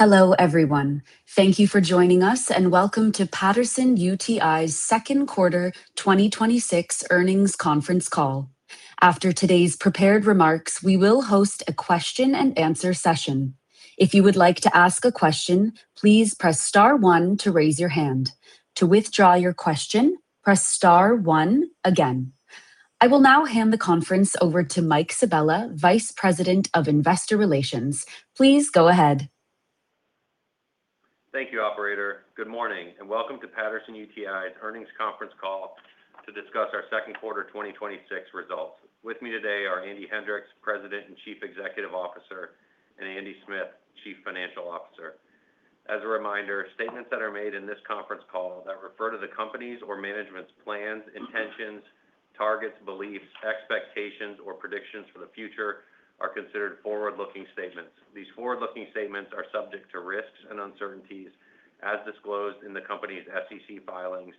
Hello, everyone. Thank you for joining us and welcome to Patterson-UTI's second quarter 2026 earnings conference call. After today's prepared remarks, we will host a question and answer session. If you would like to ask a question, please press star one to raise your hand. To withdraw your question, press star one again. I will now hand the conference over to Mike Sabella, Vice President of Investor Relations. Please go ahead. Thank you, operator. Good morning and welcome to Patterson-UTI's earnings conference call to discuss our second quarter 2026 results. With me today are Andy Hendricks, President and Chief Executive Officer, and Andy Smith, Chief Financial Officer. As a reminder, statements that are made in this conference call that refer to the company's or management's plans, intentions, targets, beliefs, expectations or predictions for the future are considered forward-looking statements. These forward-looking statements are subject to risks and uncertainties as disclosed in the company's SEC filings,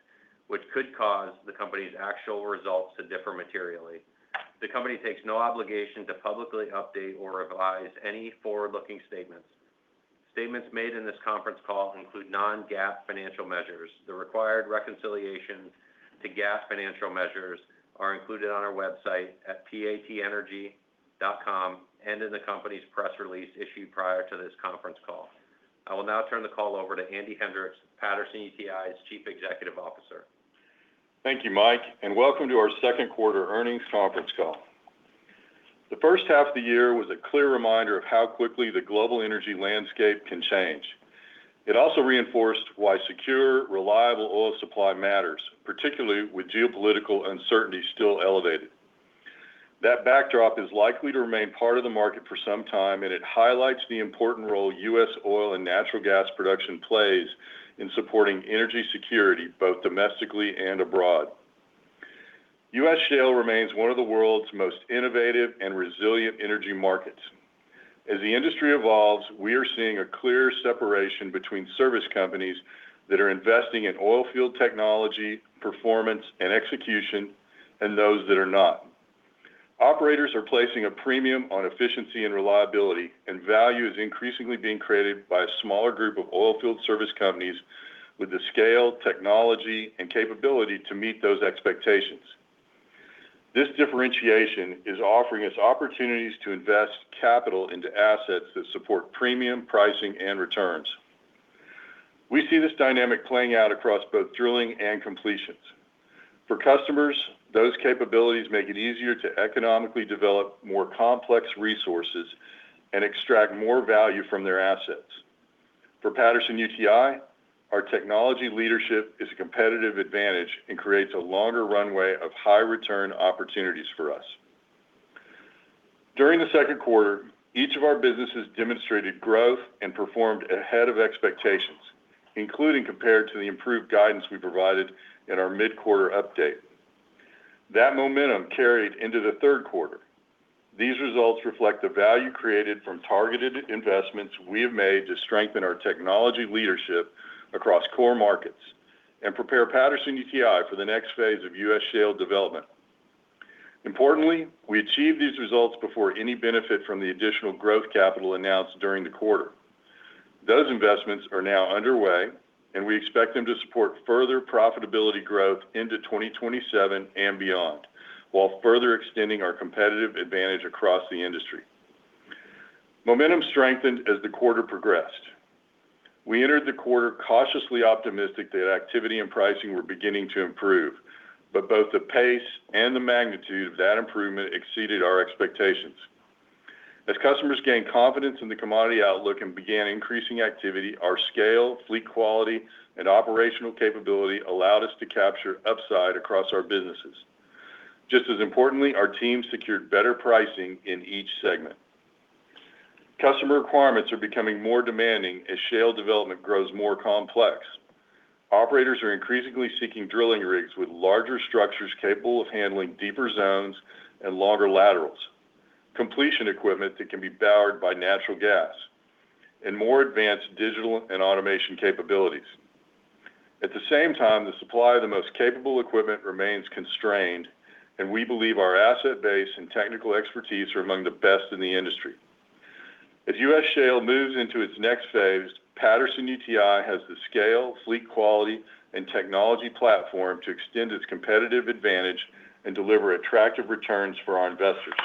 which could cause the company's actual results to differ materially. The company takes no obligation to publicly update or revise any forward-looking statements. Statements made in this conference call include non-GAAP financial measures. The required reconciliation to GAAP financial measures are included on our website at patenergy.com and in the company's press release issued prior to this conference call. I will now turn the call over to Andy Hendricks, Patterson-UTI's Chief Executive Officer. Thank you, Mike. Welcome to our second quarter earnings conference call. The first half of the year was a clear reminder of how quickly the global energy landscape can change. It also reinforced why secure, reliable oil supply matters, particularly with geopolitical uncertainty still elevated. That backdrop is likely to remain part of the market for some time. It highlights the important role U.S. oil and natural gas production plays in supporting energy security both domestically and abroad. U.S. shale remains one of the world's most innovative and resilient energy markets. As the industry evolves, we are seeing a clear separation between service companies that are investing in oil field technology, performance, and execution and those that are not. Operators are placing a premium on efficiency and reliability, and value is increasingly being created by a smaller group of oil field service companies with the scale, technology, and capability to meet those expectations. This differentiation is offering us opportunities to invest capital into assets that support premium pricing and returns. We see this dynamic playing out across both drilling and completions. For customers, those capabilities make it easier to economically develop more complex resources and extract more value from their assets. For Patterson-UTI, our technology leadership is a competitive advantage and creates a longer runway of high return opportunities for us. During the second quarter, each of our businesses demonstrated growth and performed ahead of expectations, including compared to the improved guidance we provided in our mid-quarter update. That momentum carried into the third quarter. These results reflect the value created from targeted investments we have made to strengthen our technology leadership across core markets and prepare Patterson-UTI for the next phase of U.S. shale development. Importantly, we achieved these results before any benefit from the additional growth capital announced during the quarter. Those investments are now underway, and we expect them to support further profitability growth into 2027 and beyond, while further extending our competitive advantage across the industry. Momentum strengthened as the quarter progressed. We entered the quarter cautiously optimistic that activity and pricing were beginning to improve, but both the pace and the magnitude of that improvement exceeded our expectations. As customers gained confidence in the commodity outlook and began increasing activity, our scale, fleet quality, and operational capability allowed us to capture upside across our businesses. Just as importantly, our team secured better pricing in each segment. Customer requirements are becoming more demanding as shale development grows more complex. Operators are increasingly seeking drilling rigs with larger structures capable of handling deeper zones and longer laterals, completion equipment that can be powered by natural gas, and more advanced digital and automation capabilities. At the same time, the supply of the most capable equipment remains constrained, and we believe our asset base and technical expertise are among the best in the industry. As U.S. shale moves into its next phase, Patterson-UTI has the scale, fleet quality, and technology platform to extend its competitive advantage and deliver attractive returns for our investors.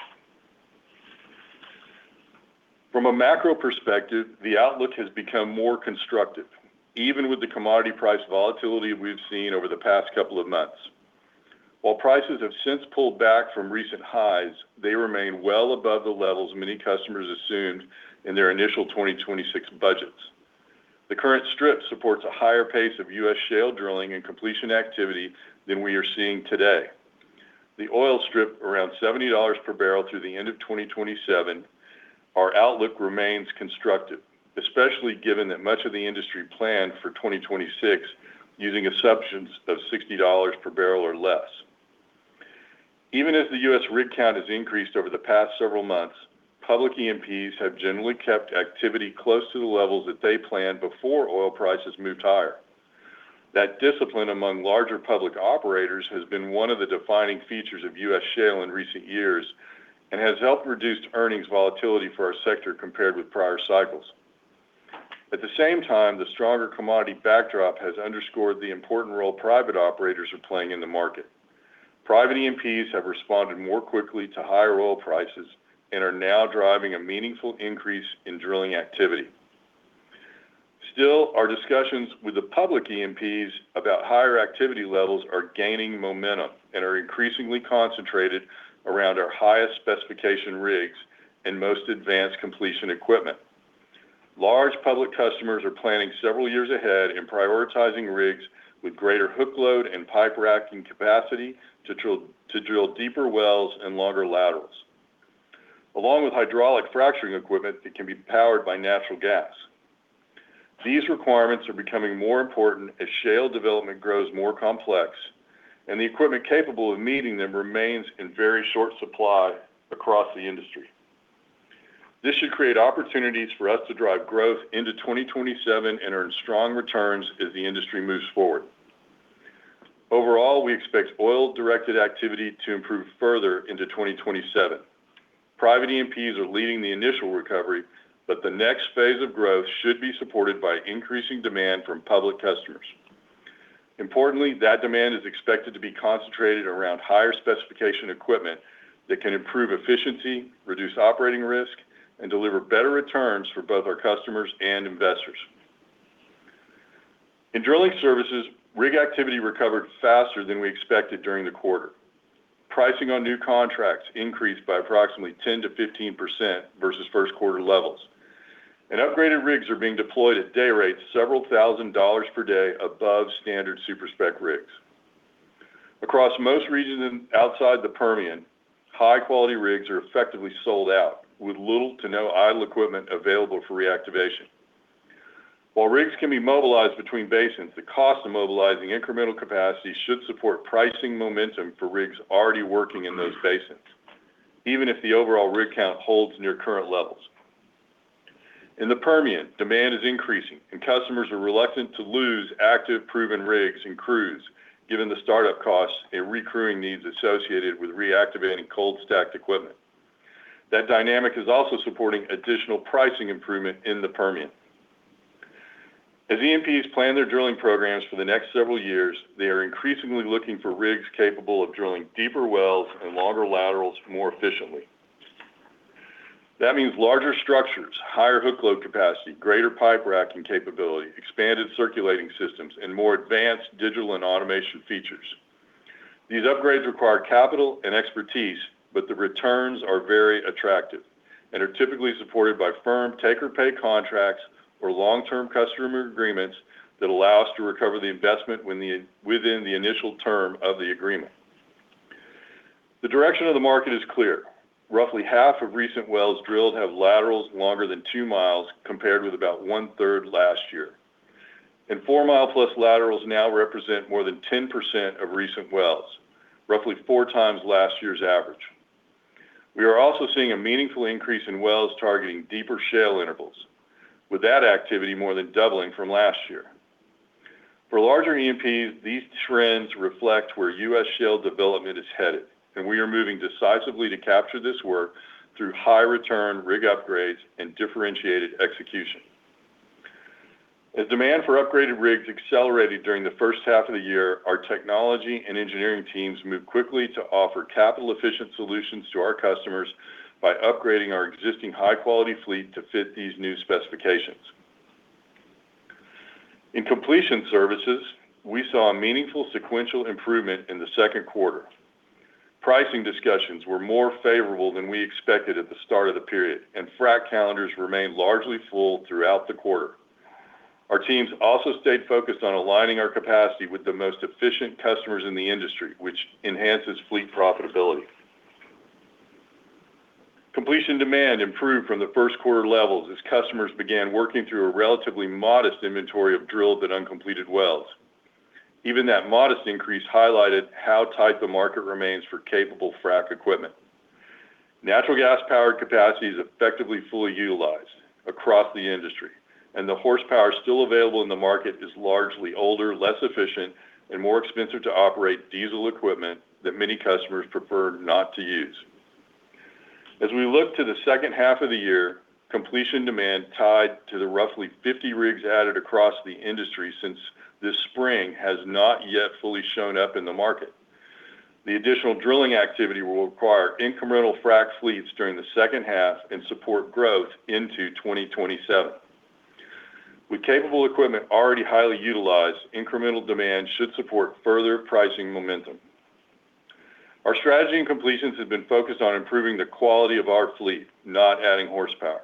From a macro perspective, the outlook has become more constructive, even with the commodity price volatility we've seen over the past couple of months. While prices have since pulled back from recent highs, they remain well above the levels many customers assumed in their initial 2026 budgets. The current strip supports a higher pace of U.S. shale drilling and completion activity than we are seeing today. The oil strip around $70 per barrel through the end of 2027, our outlook remains constructive, especially given that much of the industry planned for 2026 using assumptions of $60 per barrel or less. Even as the U.S. rig count has increased over the past several months, public E&Ps have generally kept activity close to the levels that they planned before oil prices moved higher. That discipline among larger public operators has been one of the defining features of U.S. shale in recent years and has helped reduce earnings volatility for our sector compared with prior cycles. At the same time, the stronger commodity backdrop has underscored the important role private operators are playing in the market. Private E&Ps have responded more quickly to higher oil prices and are now driving a meaningful increase in drilling activity. Still, our discussions with the public E&Ps about higher activity levels are gaining momentum and are increasingly concentrated around our highest specification rigs and most advanced completion equipment. Large public customers are planning several years ahead and prioritizing rigs with greater hook load and pipe racking capacity to drill deeper wells and longer laterals, along with hydraulic fracturing equipment that can be powered by natural gas. These requirements are becoming more important as shale development grows more complex. The equipment capable of meeting them remains in very short supply across the industry. This should create opportunities for us to drive growth into 2027 and earn strong returns as the industry moves forward. Overall, we expect oil-directed activity to improve further into 2027. Private E&Ps are leading the initial recovery. The next phase of growth should be supported by increasing demand from public customers. Importantly, that demand is expected to be concentrated around higher specification equipment that can improve efficiency, reduce operating risk, and deliver better returns for both our customers and investors. In drilling services, rig activity recovered faster than we expected during the quarter. Pricing on new contracts increased by approximately 10%-15% versus first quarter levels. Upgraded rigs are being deployed at day rates several thousand dollars per day above standard super-spec rigs. Across most regions outside the Permian, high-quality rigs are effectively sold out, with little to no idle equipment available for reactivation. While rigs can be mobilized between basins, the cost of mobilizing incremental capacity should support pricing momentum for rigs already working in those basins. Even if the overall rig count holds near current levels. In the Permian, demand is increasing. Customers are reluctant to lose active, proven rigs and crews, given the startup costs and recrewing needs associated with reactivating cold stacked equipment. That dynamic is also supporting additional pricing improvement in the Permian. As E&Ps plan their drilling programs for the next several years, they are increasingly looking for rigs capable of drilling deeper wells and longer laterals more efficiently. That means larger structures, higher hook load capacity, greater pipe racking capability, expanded circulating systems, and more advanced digital and automation features. These upgrades require capital and expertise. But the returns are very attractive and are typically supported by firm take-or-pay contracts or long-term customer agreements that allow us to recover the investment within the initial term of the agreement. The direction of the market is clear. Roughly half of recent wells drilled have laterals longer than 2 mi compared with about one-third last year. 4+ mi laterals now represent more than 10% of recent wells, roughly four times last year's average. We are also seeing a meaningful increase in wells targeting deeper shale intervals, with that activity more than doubling from last year. For larger E&Ps, these trends reflect where U.S. shale development is headed. We are moving decisively to capture this work through high return rig upgrades and differentiated execution. As demand for upgraded rigs accelerated during the first half of the year, our technology and engineering teams moved quickly to offer capital-efficient solutions to our customers by upgrading our existing high-quality fleet to fit these new specifications. In Completion Services, we saw a meaningful sequential improvement in the second quarter. Pricing discussions were more favorable than we expected at the start of the period. Frac calendars remained largely full throughout the quarter. Our teams also stayed focused on aligning our capacity with the most efficient customers in the industry, which enhances fleet profitability. Completion demand improved from the first quarter levels as customers began working through a relatively modest inventory of drilled and uncompleted wells. Even that modest increase highlighted how tight the market remains for capable frac equipment. Natural gas-powered capacity is effectively fully utilized across the industry, and the horsepower still available in the market is largely older, less efficient, and more expensive to operate diesel equipment that many customers prefer not to use. As we look to the second half of the year, completion demand tied to the roughly 50 rigs added across the industry since this spring has not yet fully shown up in the market. The additional drilling activity will require incremental frac fleets during the second half and support growth into 2027. With capable equipment already highly utilized, incremental demand should support further pricing momentum. Our strategy and completions have been focused on improving the quality of our fleet, not adding horsepower.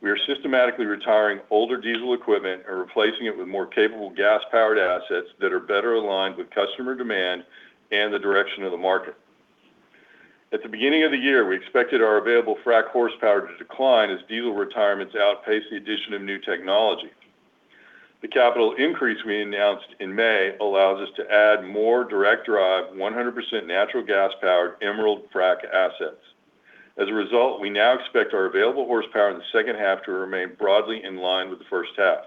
We are systematically retiring older diesel equipment and replacing it with more capable gas-powered assets that are better aligned with customer demand and the direction of the market. At the beginning of the year, we expected our available frac horsepower to decline as diesel retirements outpace the addition of new technology. The capital increase we announced in May allows us to add more direct drive, 100% natural gas-powered Emerald frac assets. As a result, we now expect our available horsepower in the second half to remain broadly in line with the first half.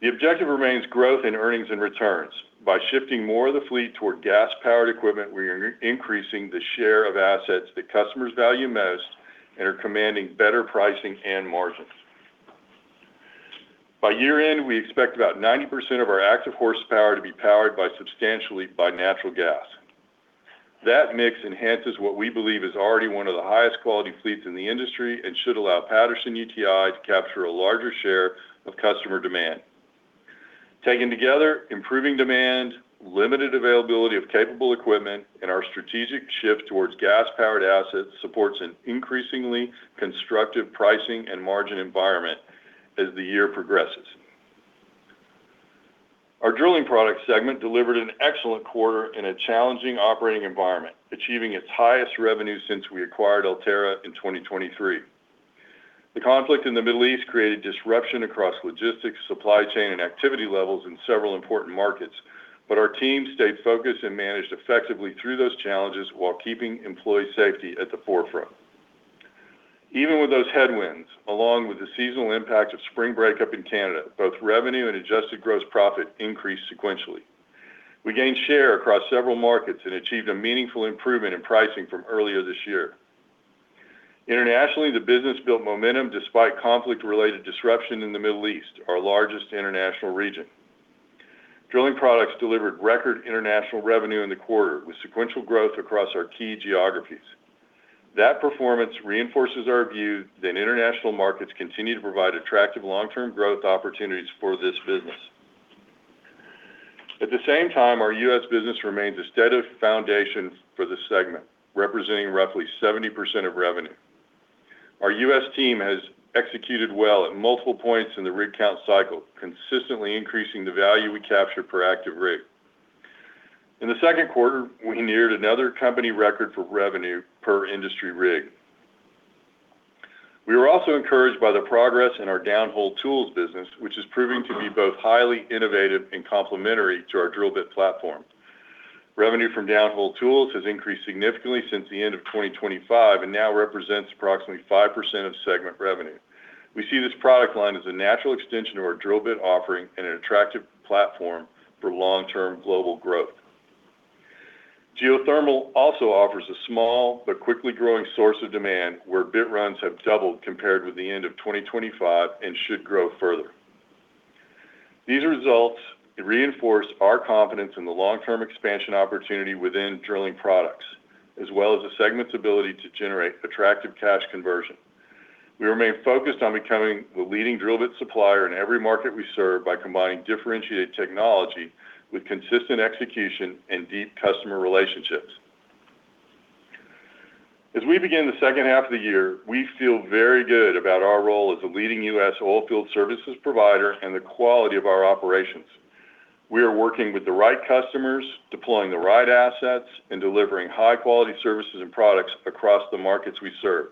The objective remains growth in earnings and returns. By shifting more of the fleet toward gas-powered equipment, we are increasing the share of assets that customers value most and are commanding better pricing and margins. By year-end, we expect about 90% of our active horsepower to be powered substantially by natural gas. That mix enhances what we believe is already one of the highest quality fleets in the industry and should allow Patterson-UTI to capture a larger share of customer demand. Taken together, improving demand, limited availability of capable equipment, and our strategic shift towards gas-powered assets supports an increasingly constructive pricing and margin environment as the year progresses. Our Drilling Product segment delivered an excellent quarter in a challenging operating environment, achieving its highest revenue since we acquired Ulterra in 2023. The conflict in the Middle East created disruption across logistics, supply chain, and activity levels in several important markets. Our team stayed focused and managed effectively through those challenges while keeping employee safety at the forefront. Even with those headwinds, along with the seasonal impact of spring break-up in Canada, both revenue and adjusted gross profit increased sequentially. We gained share across several markets and achieved a meaningful improvement in pricing from earlier this year. Internationally, the business built momentum despite conflict-related disruption in the Middle East, our largest international region. Drilling products delivered record international revenue in the quarter, with sequential growth across our key geographies. That performance reinforces our view that international markets continue to provide attractive long-term growth opportunities for this business. At the same time, our U.S. business remains a steady foundation for the segment, representing roughly 70% of revenue. Our U.S. team has executed well at multiple points in the rig count cycle, consistently increasing the value we capture per active rig. In the second quarter, we neared another company record for revenue per industry rig. We were also encouraged by the progress in our downhole tools business, which is proving to be both highly innovative and complementary to our drill bit platform. Revenue from downhole tools has increased significantly since the end of 2025 and now represents approximately 5% of segment revenue. We see this product line as a natural extension to our drill bit offering and an attractive platform for long-term global growth. Geothermal also offers a small but quickly growing source of demand, where bit runs have doubled compared with the end of 2025 and should grow further. These results reinforce our confidence in the long-term expansion opportunity within Drilling Products, as well as the segment's ability to generate attractive cash conversion. We remain focused on becoming the leading drill bit supplier in every market we serve by combining differentiated technology with consistent execution and deep customer relationships. As we begin the second half of the year, we feel very good about our role as a leading U.S. oilfield services provider and the quality of our operations. We are working with the right customers, deploying the right assets, and delivering high-quality services and products across the markets we serve.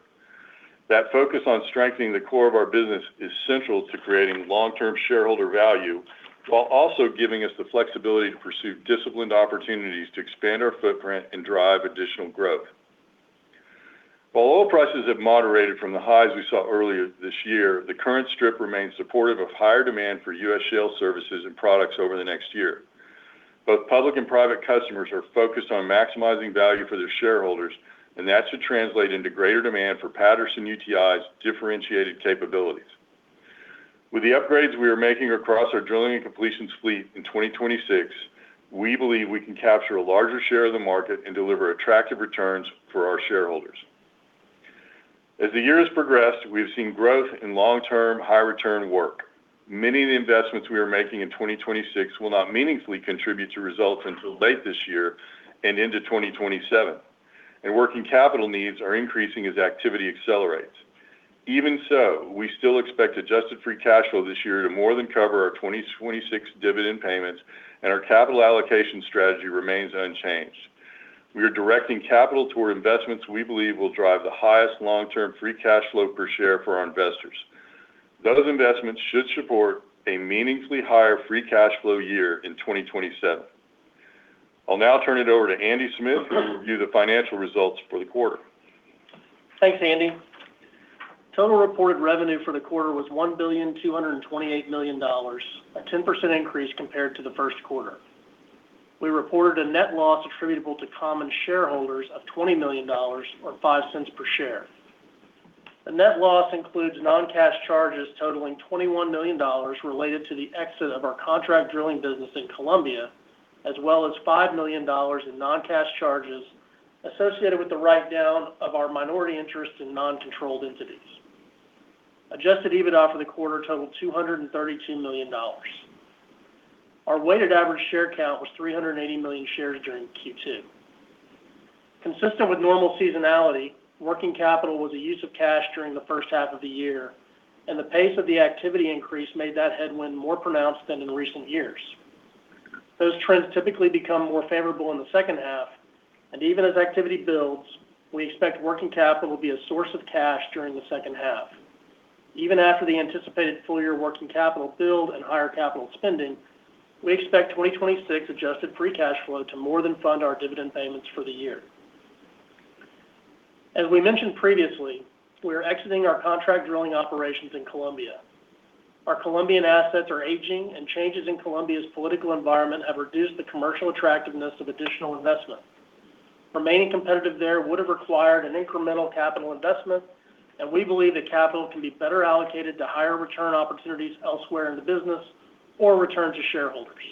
That focus on strengthening the core of our business is central to creating long-term shareholder value, while also giving us the flexibility to pursue disciplined opportunities to expand our footprint and drive additional growth. While oil prices have moderated from the highs we saw earlier this year, the current strip remains supportive of higher demand for U.S. shale services and products over the next year. Both public and private customers are focused on maximizing value for their shareholders. That should translate into greater demand for Patterson-UTI's differentiated capabilities. With the upgrades we are making across our drilling and completions fleet in 2026, we believe we can capture a larger share of the market and deliver attractive returns for our shareholders. As the year has progressed, we have seen growth in long-term, high-return work. Many of the investments we are making in 2026 will not meaningfully contribute to results until late this year and into 2027. Working capital needs are increasing as activity accelerates. Even so, we still expect adjusted free cash flow this year to more than cover our 2026 dividend payments. Our capital allocation strategy remains unchanged. We are directing capital toward investments we believe will drive the highest long-term free cash flow per share for our investors. Those investments should support a meaningfully higher free cash flow year in 2027. I'll now turn it over to Andy Smith to review the financial results for the quarter. Thanks, Andy. Total reported revenue for the quarter was $1,228,000,000, a 10% increase compared to the first quarter. We reported a net loss attributable to common shareholders of $20 million, or $0.05 per share. The net loss includes non-cash charges totaling $21 million related to the exit of our Contract Drilling business in Colombia, as well as $5 million in non-cash charges associated with the write-down of our minority interest in non-controlled entities. Adjusted EBITDA for the quarter totaled $232 million. Our weighted average share count was 380 million shares during Q2. Consistent with normal seasonality, working capital was a use of cash during the first half of the year, and the pace of the activity increase made that headwind more pronounced than in recent years. Those trends typically become more favorable in the second half. Even as activity builds, we expect working capital to be a source of cash during the second half. Even after the anticipated full-year working capital build and higher capital spending, we expect 2026 adjusted free cash flow to more than fund our dividend payments for the year. As we mentioned previously, we are exiting our Contract Drilling operations in Colombia. Our Colombian assets are aging, and changes in Colombia's political environment have reduced the commercial attractiveness of additional investment. Remaining competitive there would've required an incremental capital investment. We believe the capital can be better allocated to higher return opportunities elsewhere in the business or return to shareholders.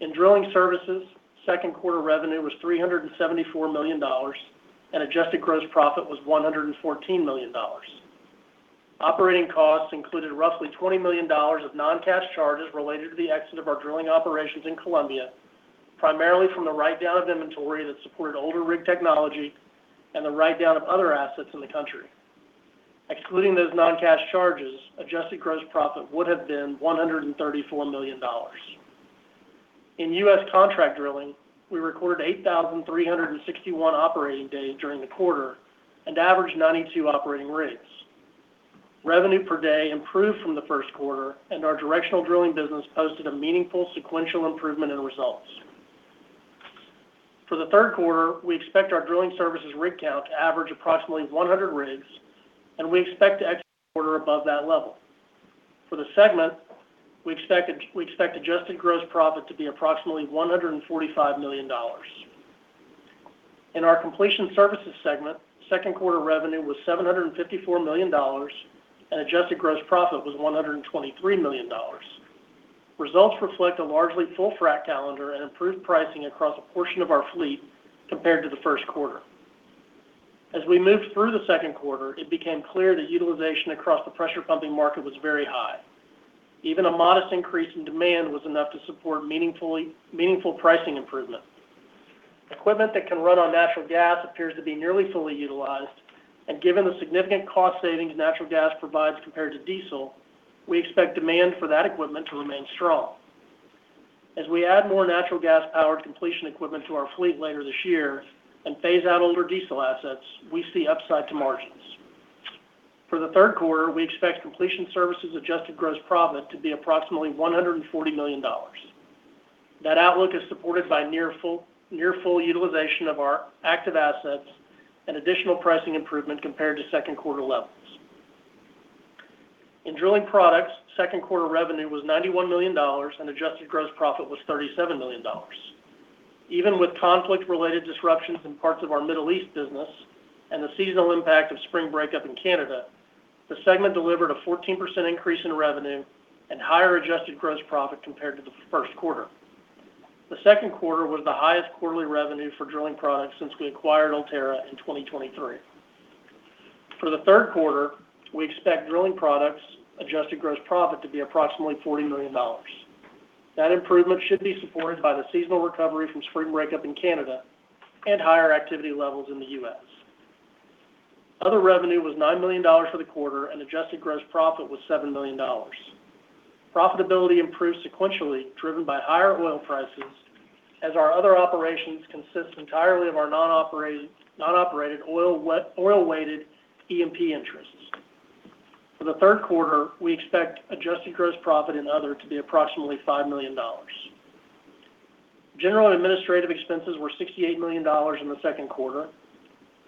In drilling services, second quarter revenue was $374 million, and adjusted gross profit was $114 million. Operating costs included roughly $20 million of non-cash charges related to the exit of our drilling operations in Colombia, primarily from the write-down of inventory that supported older rig technology and the write-down of other assets in the country. Excluding those non-cash charges, adjusted gross profit would have been $134 million. In U.S. Contract Drilling, we recorded 8,361 operating days during the quarter and averaged 92 operating rigs. Revenue per day improved from the first quarter. Our directional drilling business posted a meaningful sequential improvement in results. For the third quarter, we expect our drilling services rig count to average approximately 100 rigs. We expect to exit the quarter above that level. For the segment, we expect adjusted gross profit to be approximately $145 million. In our Completion Services segment, second quarter revenue was $754 million, and adjusted gross profit was $123 million. Results reflect a largely full frac calendar and improved pricing across a portion of our fleet compared to the first quarter. As we moved through the second quarter, it became clear that utilization across the pressure pumping market was very high. Even a modest increase in demand was enough to support meaningful pricing improvement. Equipment that can run on natural gas appears to be nearly fully utilized. Given the significant cost savings natural gas provides compared to diesel, we expect demand for that equipment to remain strong. As we add more natural gas powered completion equipment to our fleet later this year. Phase out older diesel assets, we see upside to margins. For the third quarter, we expect Completion Services adjusted gross profit to be approximately $140 million. That outlook is supported by near full utilization of our active assets and additional pricing improvement compared to second quarter levels. In drilling products, second quarter revenue was $91 million, and adjusted gross profit was $37 million. Even with conflict-related disruptions in parts of our Middle East business and the seasonal impact of spring breakup in Canada, the segment delivered a 14% increase in revenue and higher adjusted gross profit compared to the first quarter. The second quarter was the highest quarterly revenue for drilling products since we acquired Ulterra in 2023. For the third quarter, we expect Drilling Products adjusted gross profit to be approximately $40 million. That improvement should be supported by the seasonal recovery from spring breakup in Canada and higher activity levels in the U.S. Other revenue was $9 million for the quarter, and adjusted gross profit was $7 million. Profitability improved sequentially, driven by higher oil prices as our other operations consist entirely of our non-operated oil weighted E&P interests. For the third quarter, we expect adjusted gross profit and other to be approximately $5 million. General and administrative expenses were $68 million in the second quarter.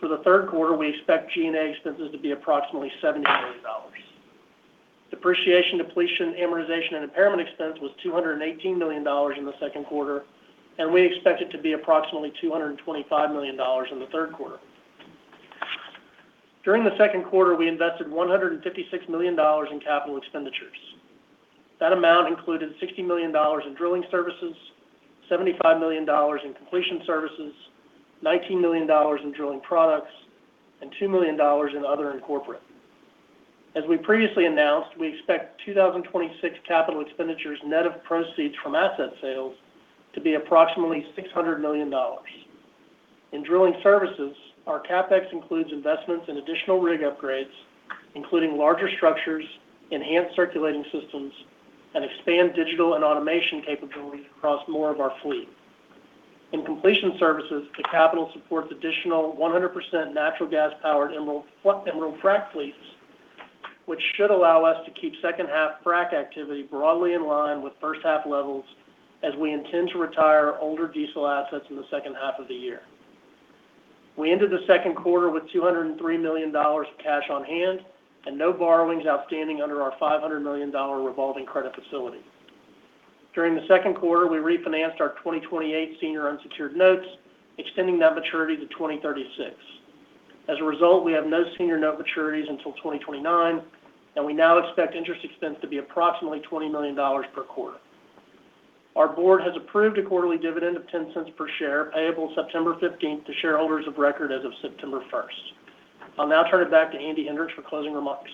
For the third quarter, we expect G&A expenses to be approximately $70 million. Depreciation, depletion, amortization, and impairment expense was $218 million in the second quarter, and we expect it to be approximately $225 million in the third quarter. During the second quarter, we invested $156 million in capital expenditures. That amount included $60 million in drilling services, $75 million in Completion Services, $19 million in Drilling Products, and $2 million in other and corporate. As we previously announced, we expect 2026 capital expenditures net of proceeds from asset sales to be approximately $600 million. In drilling services, our CapEx includes investments in additional rig upgrades, including larger structures, enhanced circulating systems, and expand digital and automation capabilities across more of our fleet. In Completion Services, the capital supports additional 100% natural gas powered Emerald frac fleets, which should allow us to keep second half frac activity broadly in line with first half levels as we intend to retire older diesel assets in the second half of the year. We ended the second quarter with $203 million of cash on hand and no borrowings outstanding under our $500 million revolving credit facility. During the second quarter, we refinanced our 2028 senior unsecured notes, extending that maturity to 2036. As a result, we have no senior note maturities until 2029, and we now expect interest expense to be approximately $20 million per quarter. Our board has approved a quarterly dividend of $0.10 per share, payable September 15th to shareholders of record as of September 1st. I'll now turn it back to Andy Hendricks for closing remarks.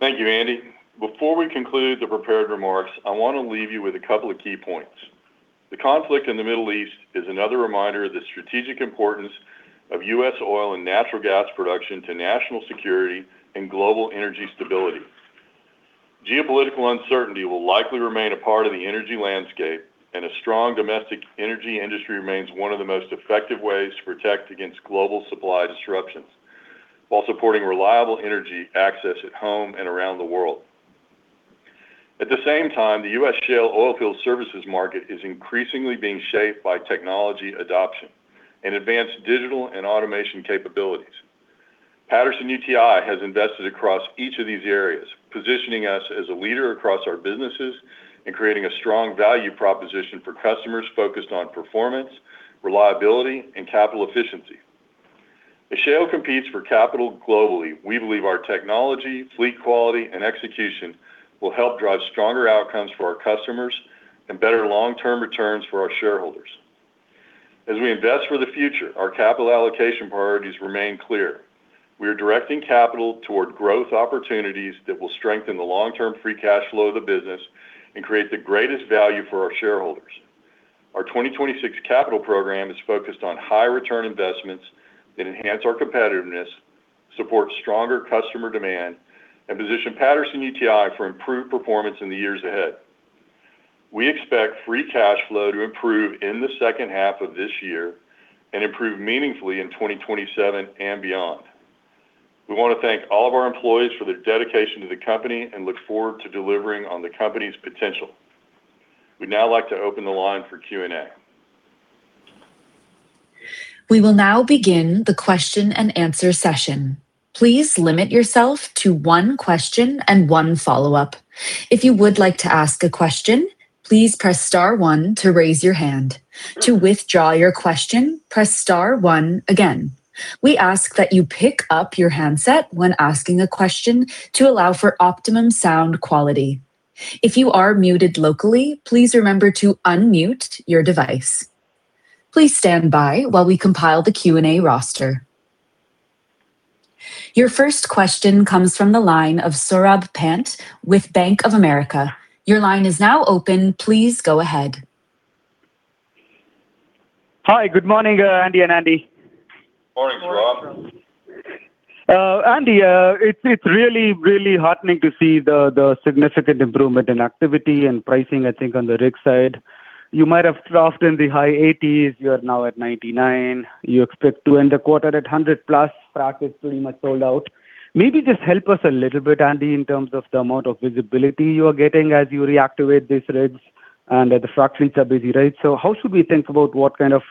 Thank you, Andy. Before we conclude the prepared remarks, I want to leave you with a couple of key points. The conflict in the Middle East is another reminder of the strategic importance of U.S. oil and natural gas production to national security and global energy stability. Geopolitical uncertainty will likely remain a part of the energy landscape, a strong domestic energy industry remains one of the most effective ways to protect against global supply disruptions while supporting reliable energy access at home and around the world. At the same time, the U.S. shale oilfield services market is increasingly being shaped by technology adoption and advanced digital and automation capabilities. Patterson-UTI has invested across each of these areas, positioning us as a leader across our businesses and creating a strong value proposition for customers focused on performance, reliability, and capital efficiency. As shale competes for capital globally, we believe our technology, fleet quality, and execution will help drive stronger outcomes for our customers and better long-term returns for our shareholders. As we invest for the future, our capital allocation priorities remain clear. We are directing capital toward growth opportunities that will strengthen the long-term free cash flow of the business and create the greatest value for our shareholders. Our 2026 capital program is focused on high-return investments that enhance our competitiveness, support stronger customer demand, and position Patterson-UTI for improved performance in the years ahead. We expect free cash flow to improve in the second half of this year and improve meaningfully in 2027 and beyond. We want to thank all of our employees for their dedication to the company and look forward to delivering on the company's potential. We'd now like to open the line for Q&A. We will now begin the question and answer session. Please limit yourself to one question and one follow-up. If you would like to ask a question, please press star one to raise your hand. To withdraw your question, press star one again. We ask that you pick up your handset when asking a question to allow for optimum sound quality. If you are muted locally, please remember to unmute your device. Please stand by while we compile the Q&A roster. Your first question comes from the line of Saurabh Pant with Bank of America. Your line is now open. Please go ahead. Hi. Good morning, Andy and Andy. Morning, Saurabh. Morning, Saurabh. Andy, it's really, really heartening to see the significant improvement in activity and pricing, I think, on the rig side. You might have troughs in the high 80s. You are now at 99. You expect to end the quarter at 100+. Frac is pretty much sold out. Maybe just help us a little bit, Andy, in terms of the amount of visibility you are getting as you reactivate these rigs and that the frac fleets are busy, right? How should we think about what kind of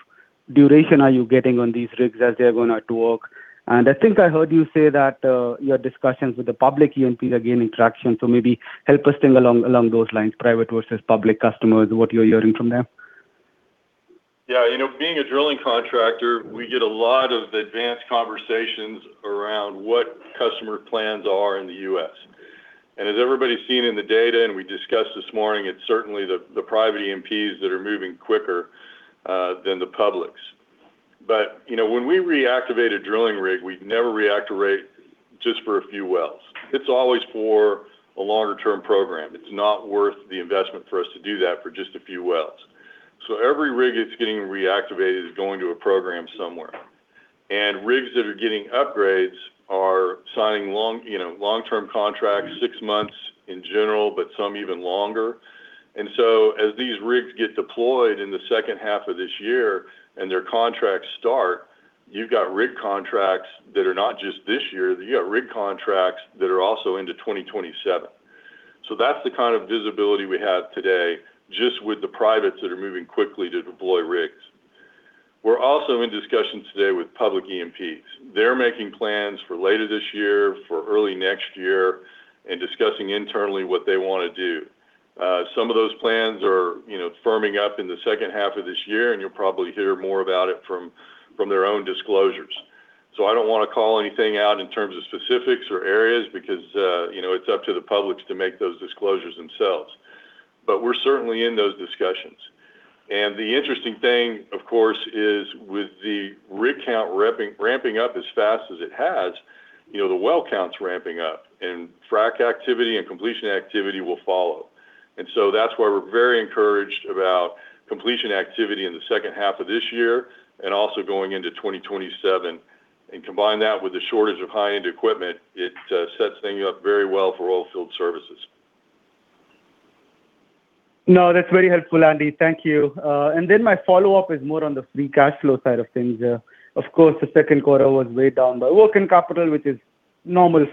duration are you getting on these rigs as they're going out to work? I think I heard you say that your discussions with the public E&Ps are gaining traction, so maybe help us think along those lines, private versus public customers, what you're hearing from them. Yeah. Being a drilling contractor, we get a lot of advanced conversations around what customer plans are in the U.S. As everybody's seen in the data, and we discussed this morning, it's certainly the private E&Ps that are moving quicker than the publics. When we reactivate a drilling rig, we never reactivate just for a few wells. It's always for a longer-term program. It's not worth the investment for us to do that for just a few wells. Every rig that's getting reactivated is going to a program somewhere, and rigs that are getting upgrades are signing long-term contracts, six months in general, but some even longer. As these rigs get deployed in the second half of this year and their contracts start, you've got rig contracts that are not just this year. You've got rig contracts that are also into 2027. That's the kind of visibility we have today just with the privates that are moving quickly to deploy rigs. We're also in discussions today with public E&Ps. They're making plans for later this year, for early next year, and discussing internally what they want to do. Some of those plans are firming up in the second half of this year, and you'll probably hear more about it from their own disclosures. I don't want to call anything out in terms of specifics or areas because, it's up to the publics to make those disclosures themselves. We're certainly in those discussions. The interesting thing, of course, is with the rig count ramping up as fast as it has, the well count's ramping up and frac activity and completion activity will follow. That's why we're very encouraged about completion activity in the second half of this year and also going into 2027. Combine that with the shortage of high-end equipment, it sets things up very well for oilfield services. No, that's very helpful, Andy. Thank you. Then my follow-up is more on the free cash flow side of things. Of course, the second quarter was weighed down by working capital, which is normal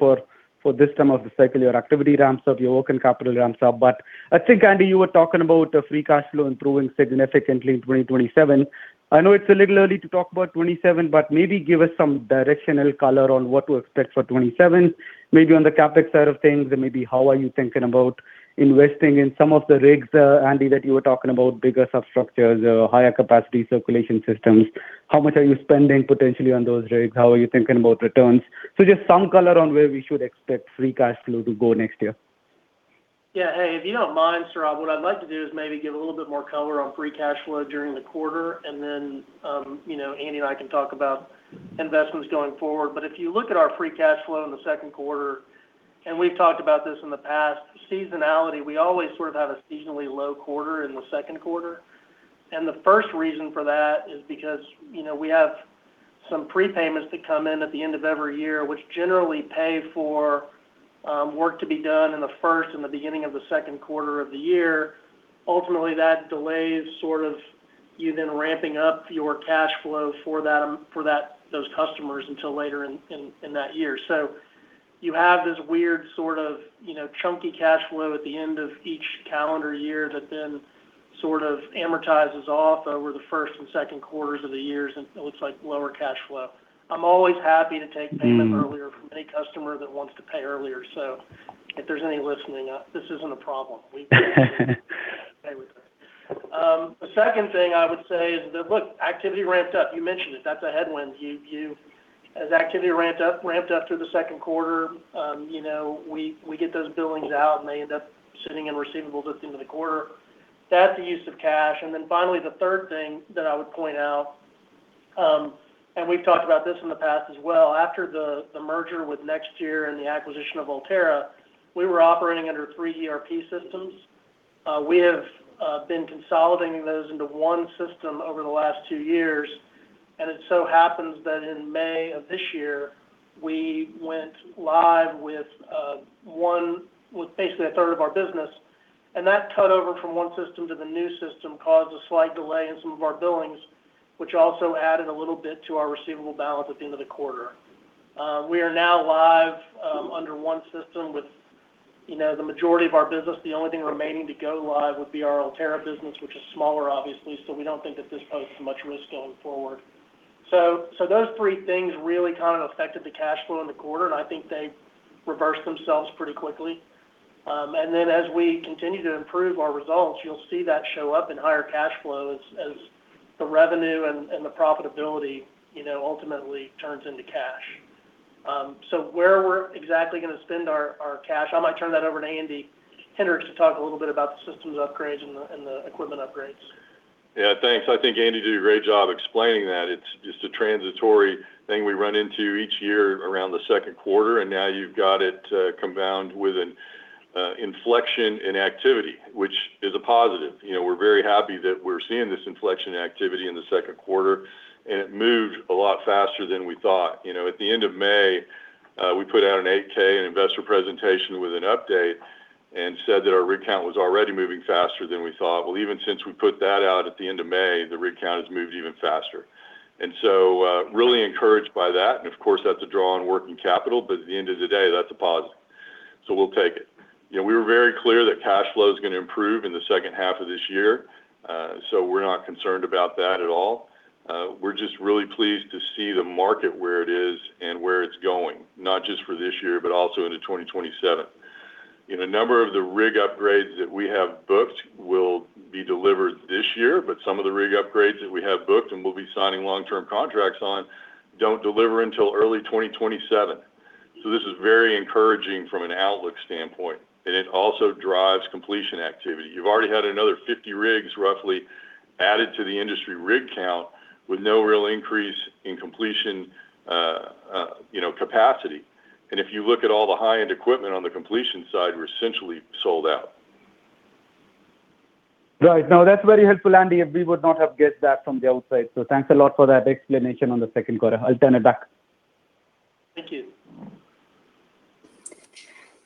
for this time of the cycle. Your activity ramps up, your working capital ramps up. I think, Andy, you were talking about free cash flow improving significantly in 2027. I know it's a little early to talk about 2027, but maybe give us some directional color on what to expect for 2027, maybe on the CapEx side of things and maybe how are you thinking about investing in some of the rigs, Andy, that you were talking about, bigger substructures, higher capacity circulation systems. How much are you spending potentially on those rigs? How are you thinking about returns? Just some color on where we should expect free cash flow to go next year. Yeah. Hey, if you don't mind, Saurabh, what I'd like to do is maybe give a little bit more color on free cash flow during the quarter, then Andy and I can talk about investments going forward. If you look at our free cash flow in the second quarter, we've talked about this in the past, seasonality, we always sort of have a seasonally low quarter in the second quarter. The first reason for that is because, we have some prepayments that come in at the end of every year, which generally pay for work to be done in the first and the beginning of the second quarter of the year. Ultimately, that delays you then ramping up your cash flow for those customers until later in that year. You have this weird sort of chunky cash flow at the end of each calendar year that then sort of amortizes off over the first and second quarters of the years, and it looks like lower cash flow. I'm always happy to take payment earlier from any customer that wants to pay earlier. If there's any listening, this isn't a problem. The second thing I would say is that, look, activity ramped up. You mentioned it. That's a headwind. As activity ramped up through the second quarter, we get those billings out, and they end up sitting in receivables at the end of the quarter. That's the use of cash. Finally, the third thing that I would point out, and we've talked about this in the past as well, after the merger with NexTier and the acquisition of Ulterra, we were operating under three ERP systems. We have been consolidating those into one system over the last two years, and it so happens that in May of this year, we went live with basically a third of our business. That cut over from one system to the new system caused a slight delay in some of our billings, which also added a little bit to our receivable balance at the end of the quarter. We are now live under one system with the majority of our business. The only thing remaining to go live would be our Ulterra business, which is smaller, obviously. We don't think that this poses much risk going forward. Those three things really affected the cash flow in the quarter, and I think they reversed themselves pretty quickly. Then as we continue to improve our results, you'll see that show up in higher cash flows as the revenue and the profitability ultimately turns into cash. Where we're exactly going to spend our cash, I might turn that over to Andy Hendricks to talk a little bit about the systems upgrades and the equipment upgrades. Yeah, thanks. I think Andy did a great job explaining that. It's just a transitory thing we run into each year around the second quarter, and now you've got it compound with an inflection in activity, which is a positive. We're very happy that we're seeing this inflection activity in the second quarter, and it moved a lot faster than we thought. At the end of May, we put out an 8-K, an investor presentation with an update, and said that our rig count was already moving faster than we thought. Well, even since we put that out at the end of May, the rig count has moved even faster. Really encouraged by that, and of course, that's a draw on working capital, but at the end of the day, that's a positive. We'll take it. We were very clear that cash flow is going to improve in the second half of this year. We're not concerned about that at all. We're just really pleased to see the market where it is and where it's going, not just for this year, but also into 2027. A number of the rig upgrades that we have booked will be delivered this year, but some of the rig upgrades that we have booked and we'll be signing long-term contracts on don't deliver until early 2027. This is very encouraging from an outlook standpoint, and it also drives completion activity. You've already had another 50 rigs roughly added to the industry rig count with no real increase in completion capacity. If you look at all the high-end equipment on the completion side, we're essentially sold out. Right. No, that's very helpful, Andy. We would not have guessed that from the outside. Thanks a lot for that explanation on the second quarter. I'll turn it back.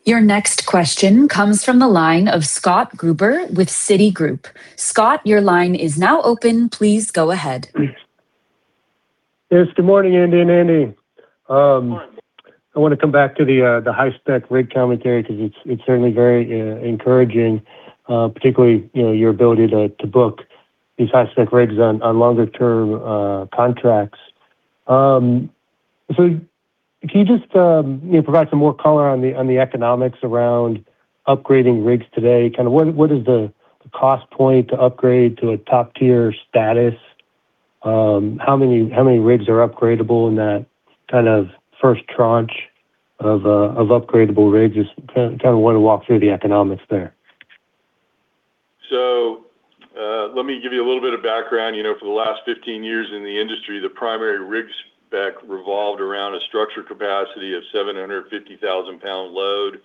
Your next question comes from the line of Scott Gruber with Citigroup. Scott, your line is now open. Please go ahead. Yes. Good morning, Andy and Andy. Good morning. I want to come back to the high-spec rig commentary because it's certainly very encouraging, particularly, your ability to book these high-spec rigs on longer term contracts. Can you just provide some more color on the economics around upgrading rigs today? What is the cost point to upgrade to a top-tier status? How many rigs are upgradable in that first tranche of upgradable rigs? Just want to walk through the economics there. Let me give you a little bit of background. For the last 15 years in the industry, the primary rigs spec revolved around a structure capacity of 750,000 lbs load,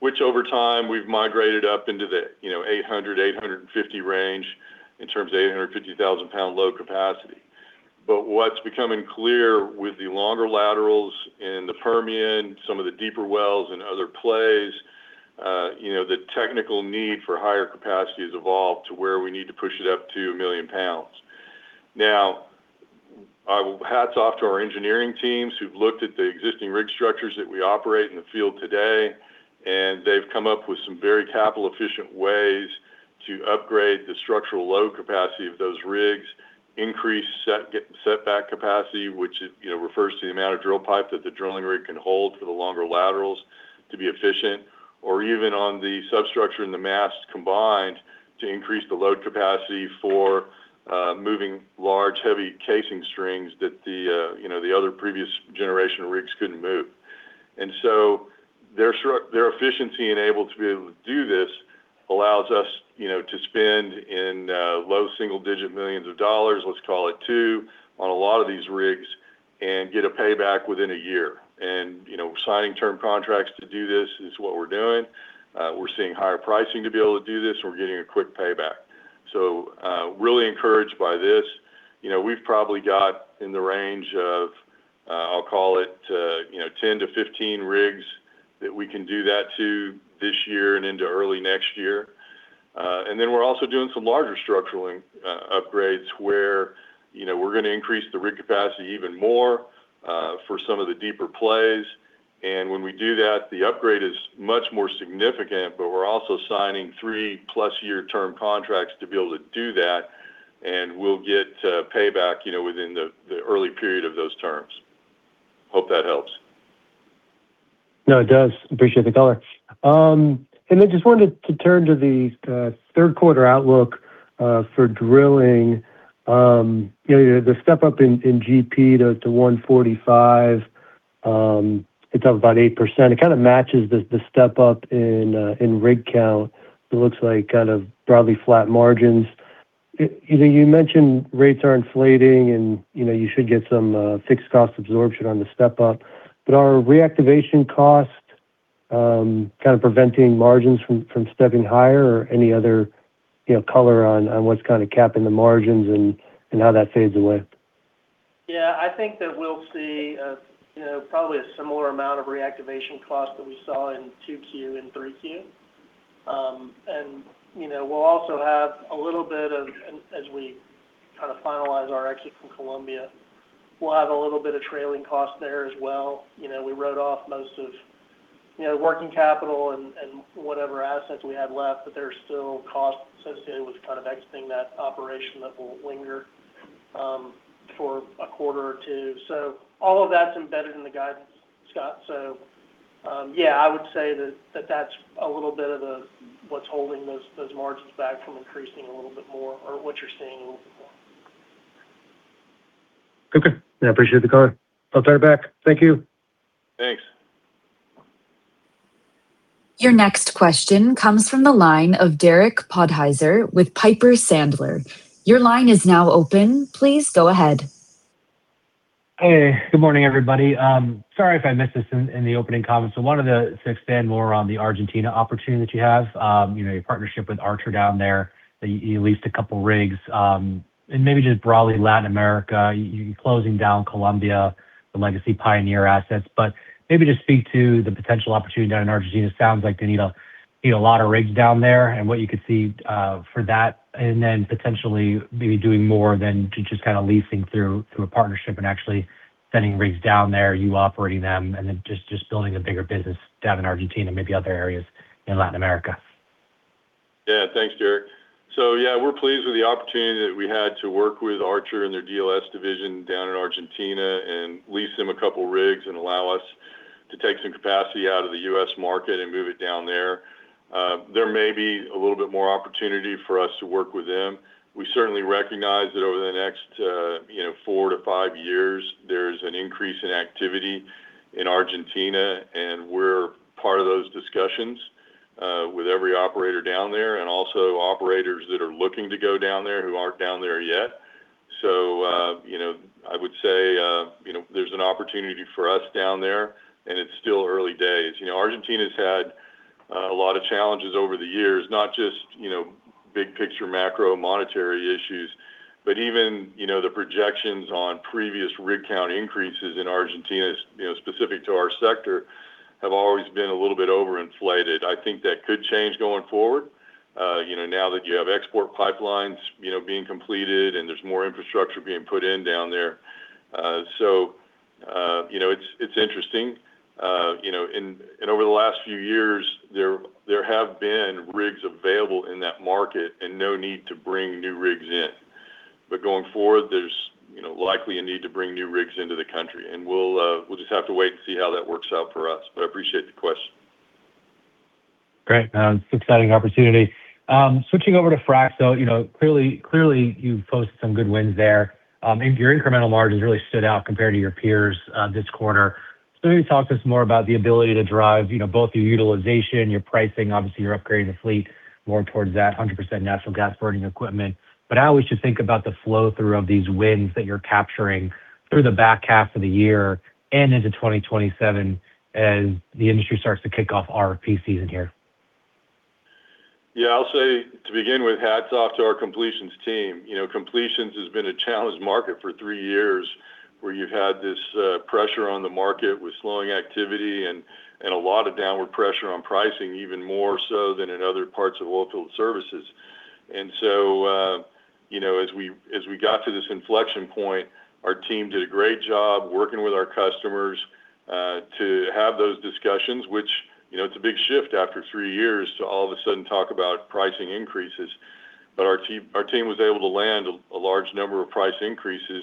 which over time we've migrated up into the 800,000 lbs, 850,000 lbs range in terms of 850,000 lbs load capacity. What's becoming clear with the longer laterals in the Permian, some of the deeper wells, and other plays, the technical need for higher capacity has evolved to where we need to push it up to 1 million pounds. Now, hats off to our engineering teams who've looked at the existing rig structures that we operate in the field today, and they've come up with some very capital efficient ways to upgrade the structural load capacity of those rigs, increase setback capacity, which refers to the amount of drill pipe that the drilling rig can hold for the longer laterals to be efficient, or even on the substructure and the mast combined to increase the load capacity for moving large, heavy casing strings that the other previous generation of rigs couldn't move. Their efficiency to be able to do this allows us to spend in low single digit millions of dollars, let's call it $2 million, on a lot of these rigs and get a payback within a year. Signing term contracts to do this is what we're doing. We're seeing higher pricing to be able to do this, and we're getting a quick payback. Really encouraged by this. We've probably got in the range of, I'll call it, 10 to 15 rigs that we can do that to this year and into early next year. We're also doing some larger structural upgrades where we're going to increase the rig capacity even more for some of the deeper plays. When we do that, the upgrade is much more significant, but we're also signing 3+ year term contracts to be able to do that. We'll get payback within the early period of those terms. Hope that helps. It does. Appreciate the color. Just wanted to turn to the third quarter outlook for drilling. The step up in GP to $145, it's up about 8%. It kind of matches the step up in rig count. It looks like kind of broadly flat margins. You mentioned rates are inflating, and you should get some fixed cost absorption on the step up. Are reactivation costs kind of preventing margins from stepping higher? Any other color on what's kind of capping the margins and how that fades away? I think that we'll see probably a similar amount of reactivation costs that we saw in 2Q and 3Q. We'll also have a little bit of, as we kind of finalize our exit from Colombia, we'll have a little bit of trailing cost there as well. We wrote off most of working capital and whatever assets we had left, but there's still cost associated with kind of exiting that operation that will linger for a quarter or two. All of that's embedded in the guidance, Scott. I would say that that's a little bit of what's holding those margins back from increasing a little bit more or what you're seeing a little bit more. Okay. I appreciate the color. I'll turn it back. Thank you. Thanks. Your next question comes from the line of Derek Podhaizer with Piper Sandler. Your line is now open. Please go ahead. Hey, good morning, everybody. Sorry if I missed this in the opening comments. I wanted to expand more on the Argentina opportunity that you have. Your partnership with Archer down there, that you leased a couple rigs. Maybe just broadly Latin America, you closing down Colombia, the Legacy Pioneer assets. Maybe just speak to the potential opportunity down in Argentina. It sounds like they need a lot of rigs down there, and what you could see for that. Then potentially maybe doing more than to just kind of leasing through a partnership and actually sending rigs down there, you operating them, and then just building a bigger business down in Argentina, maybe other areas in Latin America. Yeah. Thanks, Derek. Yeah, we're pleased with the opportunity that we had to work with Archer and their DLS division down in Argentina and lease them a couple rigs and allow us to take some capacity out of the U.S. market and move it down there. There may be a little bit more opportunity for us to work with them. We certainly recognize that over the next four to five years, there's an increase in activity in Argentina, and we're part of those discussions with every operator down there, and also operators that are looking to go down there who aren't down there yet. I would say there's an opportunity for us down there, and it's still early days. Argentina's had a lot of challenges over the years, not just big picture macro monetary issues, but even the projections on previous rig count increases in Argentina, specific to our sector, have always been a little bit overinflated. I think that could change going forward. Now that you have export pipelines being completed and there's more infrastructure being put in down there. It's interesting. Over the last few years, there have been rigs available in that market and no need to bring new rigs in. Going forward, there's likely a need to bring new rigs into the country. We'll just have to wait and see how that works out for us. I appreciate the question. Great. It's an exciting opportunity. Switching over to fracs, though, clearly you've posted some good wins there. I mean, your incremental margins really stood out compared to your peers this quarter. Maybe talk to us more about the ability to drive both your utilization, your pricing, obviously you're upgrading the fleet more towards that 100% natural gas burning equipment. How we should think about the flow-through of these wins that you're capturing through the back half of the year and into 2027 as the industry starts to kick off RFP season here? I'll say to begin with, hats off to our completions team. Completions has been a challenged market for three years, where you've had this pressure on the market with slowing activity and a lot of downward pressure on pricing, even more so than in other parts of oilfield services. As we got to this inflection point, our team did a great job working with our customers to have those discussions, which it's a big shift after three years to all of a sudden talk about pricing increases. Our team was able to land a large number of price increases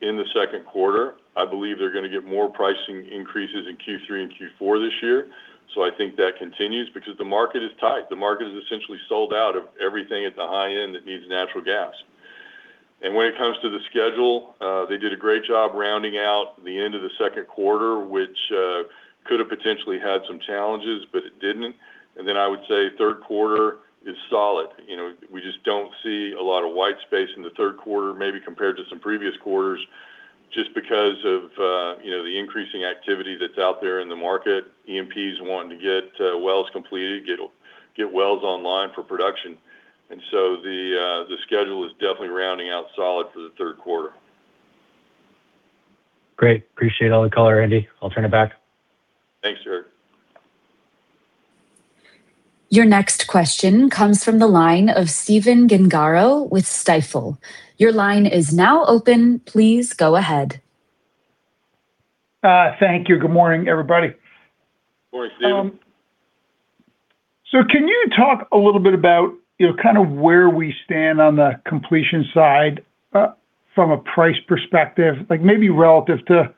in the second quarter. I believe they're going to get more pricing increases in Q3 and Q4 this year. I think that continues because the market is tight. The market is essentially sold out of everything at the high end that needs natural gas. When it comes to the schedule, they did a great job rounding out the end of the second quarter, which could have potentially had some challenges, but it didn't. I would say third quarter is solid. We just don't see a lot of white space in the third quarter, maybe compared to some previous quarters. Just because of the increasing activity that's out there in the market, E&Ps wanting to get wells completed, get wells online for production. The schedule is definitely rounding out solid for the third quarter. Great. Appreciate all the color, Andy. I'll turn it back. Thanks, Derek. Your next question comes from the line of Stephen Gengaro with Stifel. Your line is now open. Please go ahead. Thank you. Good morning, everybody. Morning, Steve. Can you talk a little bit about kind of where we stand on the completion side from a price perspective? Maybe relative to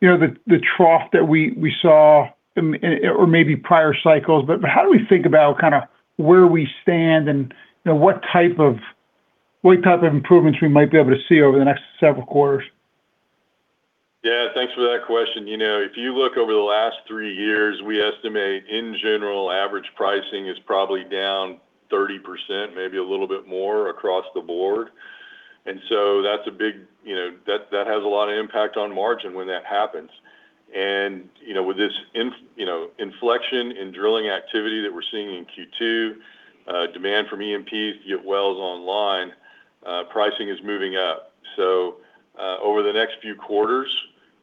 the trough that we saw, or maybe prior cycles. How do we think about kind of where we stand and what type of improvements we might be able to see over the next several quarters? Yeah. Thanks for that question. If you look over the last three years, we estimate, in general, average pricing is probably down 30%, maybe a little bit more across the board. That has a lot of impact on margin when that happens. With this inflection in drilling activity that we're seeing in Q2, demand from E&Ps to get wells online, pricing is moving up. Over the next few quarters,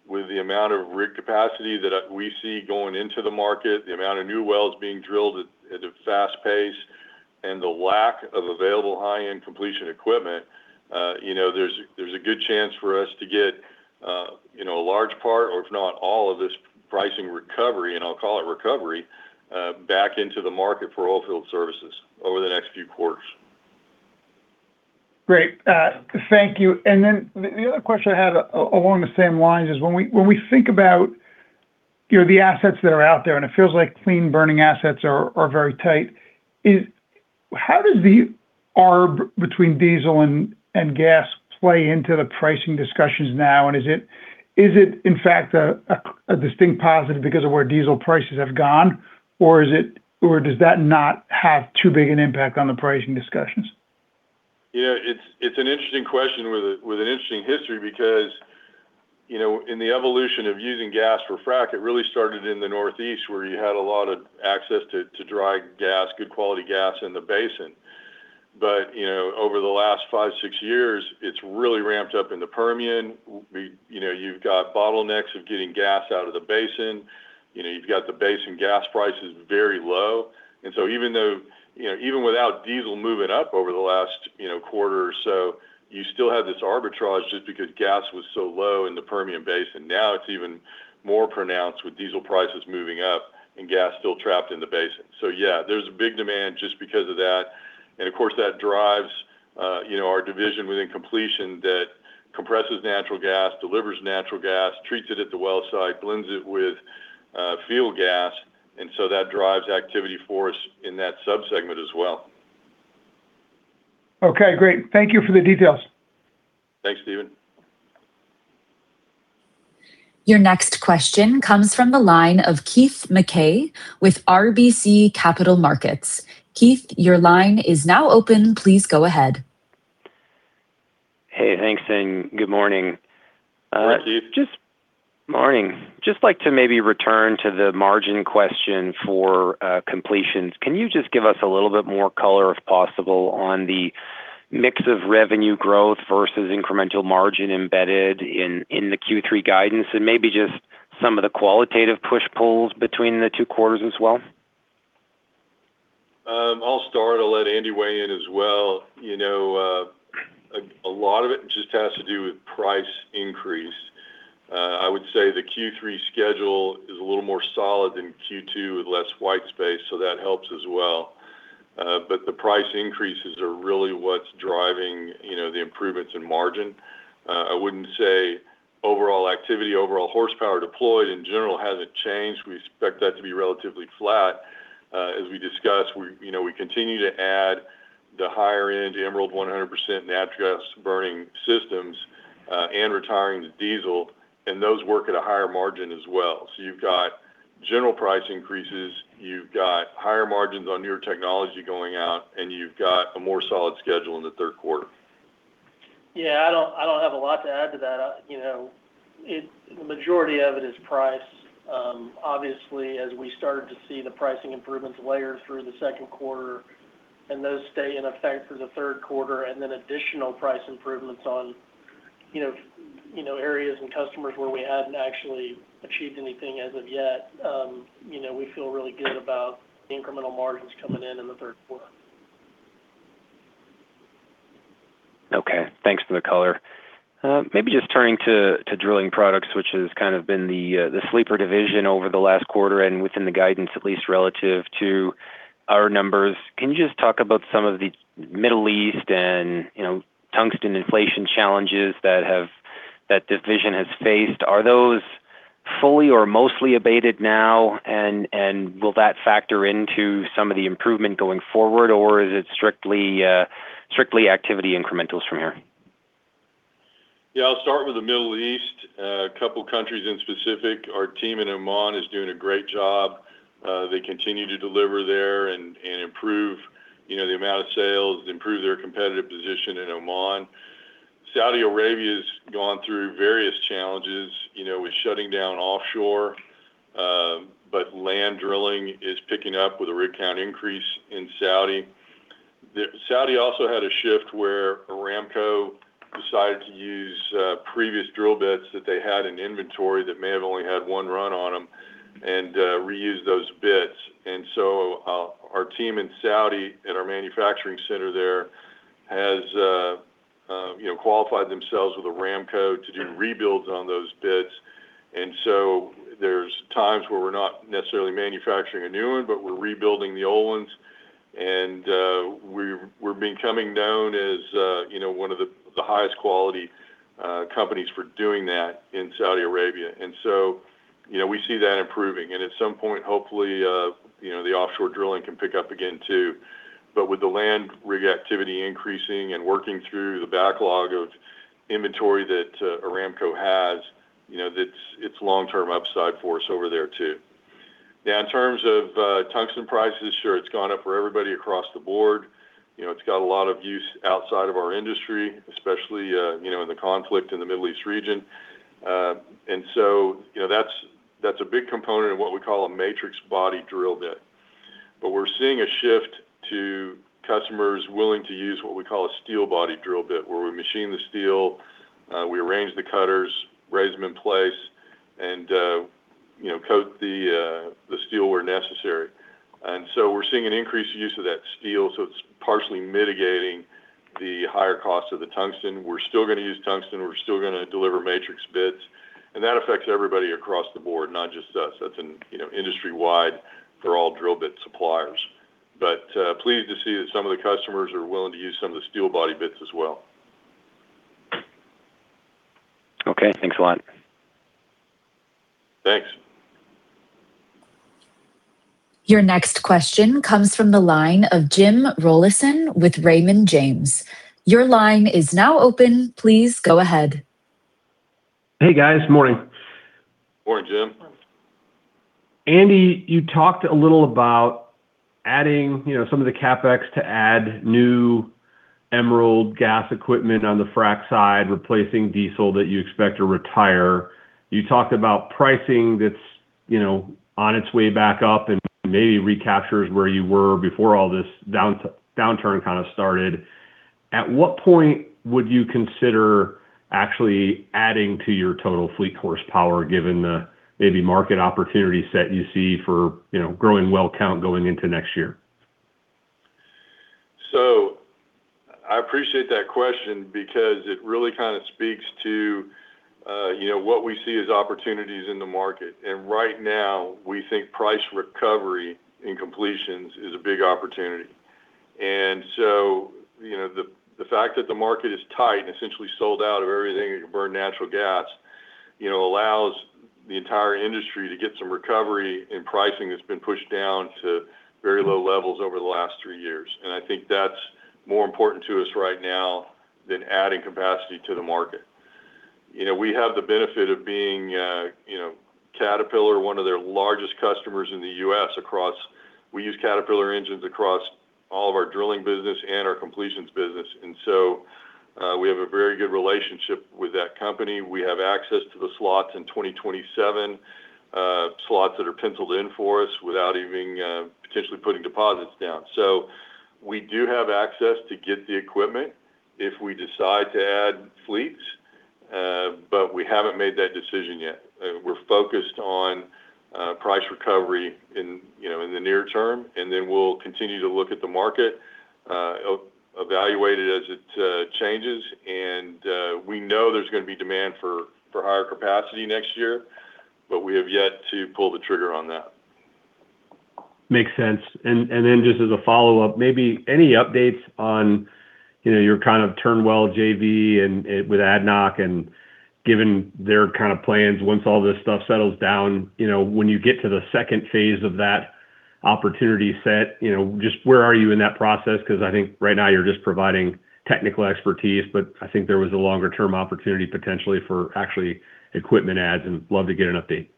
with the amount of rig capacity that we see going into the market, the amount of new wells being drilled at a fast pace, and the lack of available high-end completion equipment, there's a good chance for us to get a large part or, if not all of this pricing recovery, and I'll call it recovery, back into the market for oil field services over the next few quarters. Great. Thank you. Then the other question I had along the same lines is when we think about the assets that are out there, and it feels like clean-burning assets are very tight. How does the arb between diesel and gas play into the pricing discussions now? Is it, in fact, a distinct positive because of where diesel prices have gone? Does that not have too big an impact on the pricing discussions? Yeah, it's an interesting question with an interesting history because in the evolution of using gas for frac, it really started in the Northeast where you had a lot of access to dry gas, good quality gas in the basin. Over the last five, six years, it's really ramped up in the Permian. You've got bottlenecks of getting gas out of the basin. You've got the basin gas prices very low. Even without diesel moving up over the last quarter or so, you still have this arbitrage just because gas was so low in the Permian basin. Now it's even more pronounced with diesel prices moving up and gas still trapped in the basin. Yeah, there's a big demand just because of that. Of course, that drives our division within completion that compresses natural gas, delivers natural gas, treats it at the well site, blends it with field gas, and so that drives activity for us in that sub-segment as well. Okay, great. Thank you for the details. Thanks, Stephen. Your next question comes from the line of Keith Mackey with RBC Capital Markets. Keith, your line is now open. Please go ahead. Hey, thanks, and good morning. Morning, Keith. Morning. Just like to maybe return to the margin question for completions. Can you just give us a little bit more color, if possible, on the mix of revenue growth versus incremental margin embedded in the Q3 guidance and maybe just some of the qualitative push-pulls between the two quarters as well? I'll start. I'll let Andy weigh in as well. A lot of it just has to do with price increase. I would say the Q3 schedule is a little more solid than Q2 with less white space, that helps as well. The price increases are really what's driving the improvements in margin. I wouldn't say overall activity, overall horsepower deployed in general hasn't changed. We expect that to be relatively flat. As we discussed, we continue to add the higher-end Emerald 100% natural gas burning systems and retiring the diesel, those work at a higher margin as well. You've got general price increases, you've got higher margins on newer technology going out, you've got a more solid schedule in the third quarter. Yeah, I don't have a lot to add to that. The majority of it is price. Obviously, as we started to see the pricing improvements layer through the second quarter, those stay in effect through the third quarter, then additional price improvements on areas and customers where we hadn't actually achieved anything as of yet. We feel really good about the incremental margins coming in in the third quarter. Okay. Thanks for the color. Maybe just turning to Drilling Products, which has kind of been the sleeper division over the last quarter and within the guidance, at least relative to our numbers. Can you just talk about some of the Middle East and tungsten inflation challenges that this division has faced? Are those fully or mostly abated now? Will that factor into some of the improvement going forward, or is it strictly activity incrementals from here? Yeah. I'll start with the Middle East. A couple countries in specific. Our team in Oman is doing a great job. They continue to deliver there and improve the amount of sales, improve their competitive position in Oman. Saudi Arabia's gone through various challenges with shutting down offshore. Land drilling is picking up with a rig count increase in Saudi. Saudi also had a shift where Aramco decided to use previous drill bits that they had in inventory that may have only had one run on them and reuse those bits. Our team in Saudi, at our manufacturing center there, has qualified themselves with Aramco to do rebuilds on those bits. There's times where we're not necessarily manufacturing a new one, but we're rebuilding the old ones. We're becoming known as one of the highest quality companies for doing that in Saudi Arabia. We see that improving, and at some point, hopefully, the offshore drilling can pick up again too. With the land rig activity increasing and working through the backlog of inventory that Aramco has, it's long-term upside for us over there too. In terms of tungsten prices, sure, it's gone up for everybody across the board. It's got a lot of use outside of our industry, especially, in the conflict in the Middle East region. That's a big component of what we call a matrix body drill bit. We're seeing a shift to customers willing to use what we call a steel body drill bit, where we machine the steel, we arrange the cutters, raise them in place, and coat the steel where necessary. We're seeing an increased use of that steel. It's partially mitigating the higher cost of the tungsten. We're still gonna use tungsten, we're still gonna deliver matrix bits. That affects everybody across the board, not just us. That's an industry-wide for all drill bit suppliers. Pleased to see that some of the customers are willing to use some of the steel body bits as well. Okay. Thanks a lot. Thanks. Your next question comes from the line of Jim Rollyson with Raymond James. Your line is now open. Please go ahead. Hey, guys. Morning. Morning, Jim. Andy, you talked a little about adding some of the CapEx to add new Emerald gas equipment on the frac side, replacing diesel that you expect to retire. You talked about pricing that's on its way back up and maybe recaptures where you were before all this downturn kind of started. At what point would you consider actually adding to your total fleet horsepower, given the maybe market opportunity set you see for growing well count going into next year? I appreciate that question because it really kind of speaks to what we see as opportunities in the market. Right now, we think price recovery in completions is a big opportunity. The fact that the market is tight and essentially sold out of everything, you can burn natural gas, allows the entire industry to get some recovery in pricing that's been pushed down to very low levels over the last three years. I think that's more important to us right now than adding capacity to the market. We have the benefit of being Caterpillar, one of their largest customers in the U.S. We use Caterpillar engines across all of our drilling business and our completions business. We have a very good relationship with that company. We have access to the slots in 2027, slots that are penciled in for us without even potentially putting deposits down. We do have access to get the equipment if we decide to add fleets. We haven't made that decision yet. We're focused on price recovery in the near term, and then we'll continue to look at the market, evaluate it as it changes, and we know there's gonna be demand for higher capacity next year, but we have yet to pull the trigger on that. Makes sense. Just as a follow-up, maybe any updates on your kind of Turnwell JV and with ADNOC and given their kind of plans once all this stuff settles down, when you get to the second phase of that opportunity set, just where are you in that process? Because I think right now you're just providing technical expertise, but I think there was a longer-term opportunity potentially for actually equipment adds and love to get an update.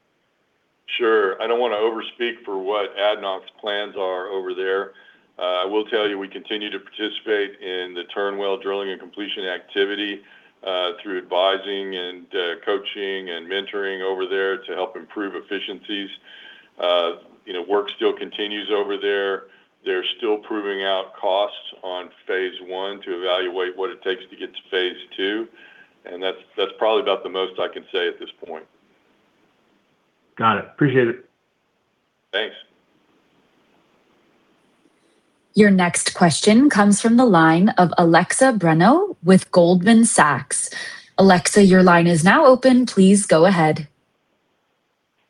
Sure. I don't want to over speak for what ADNOC's plans are over there. I will tell you, we continue to participate in the Turnwell drilling and completion activity, through advising and coaching and mentoring over there to help improve efficiencies. Work still continues over there. They're still proving out costs on phase I to evaluate what it takes to get to phase II, that's probably about the most I can say at this point. Got it. Appreciate it. Thanks. Your next question comes from the line of Alexa Bruno with Goldman Sachs. Alexa, your line is now open. Please go ahead.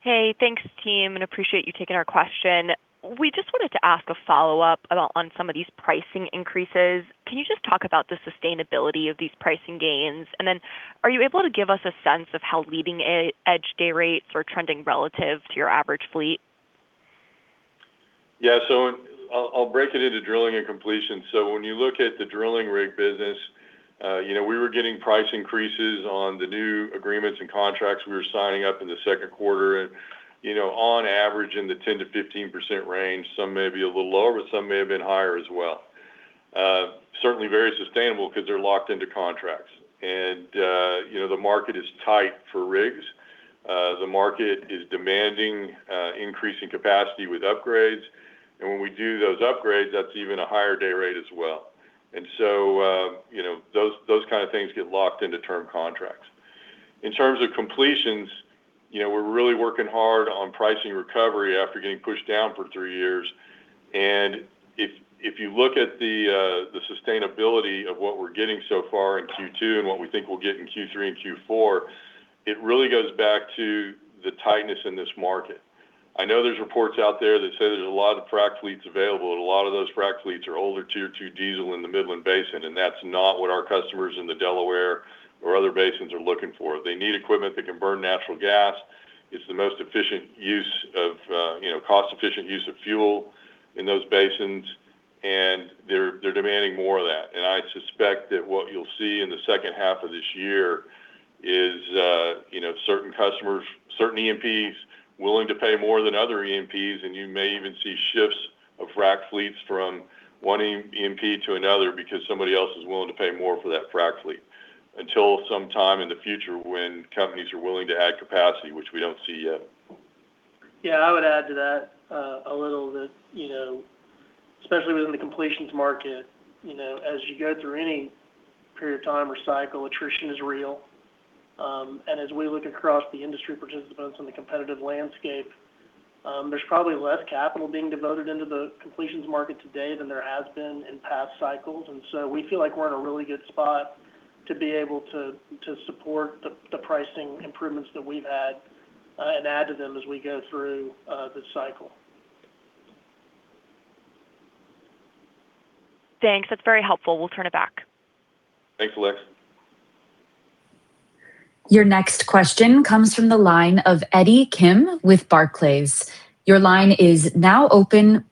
Hey, thanks team, and appreciate you taking our question. We just wanted to ask a follow-up about on some of these pricing increases. Can you just talk about the sustainability of these pricing gains, and then are you able to give us a sense of how leading edge day rates are trending relative to your average fleet? Yeah. I'll break it into drilling and completion. When you look at the drilling rig business, we were getting price increases on the new agreements and contracts we were signing up in the second quarter and, on average, in the 10%-15% range. Some may be a little lower, but some may have been higher as well. Certainly very sustainable because they're locked into contracts. The market is tight for rigs. The market is demanding increasing capacity with upgrades. When we do those upgrades, that's even a higher day rate as well. Those kind of things get locked into term contracts. In terms of completions, we're really working hard on pricing recovery after getting pushed down for three years. If you look at the sustainability of what we're getting so far in Q2 and what we think we'll get in Q3 and Q4, it really goes back to the tightness in this market. I know there's reports out there that say there's a lot of frac fleets available, and a lot of those frac fleets are older Tier two diesel in the Midland Basin, and that's not what our customers in the Delaware or other basins are looking for. They need equipment that can burn natural gas. It's the most cost-efficient use of fuel in those basins, and they're demanding more of that. I suspect that what you'll see in the second half of this year is certain E&Ps willing to pay more than other E&Ps, and you may even see shifts of frac fleets from one E&P to another because somebody else is willing to pay more for that frac fleet, until sometime in the future when companies are willing to add capacity, which we don't see yet. Yeah, I would add to that a little that, especially within the completions market, as you go through any period of time or cycle, attrition is real. As we look across the industry participants and the competitive landscape, there's probably less capital being devoted into the completions market today than there has been in past cycles. So we feel like we're in a really good spot to be able to support the pricing improvements that we've had and add to them as we go through the cycle. Thanks. That's very helpful. We'll turn it back. Thanks, Alexa. Your next question comes from the line of Eddie Kim with Barclays. Your line is now open.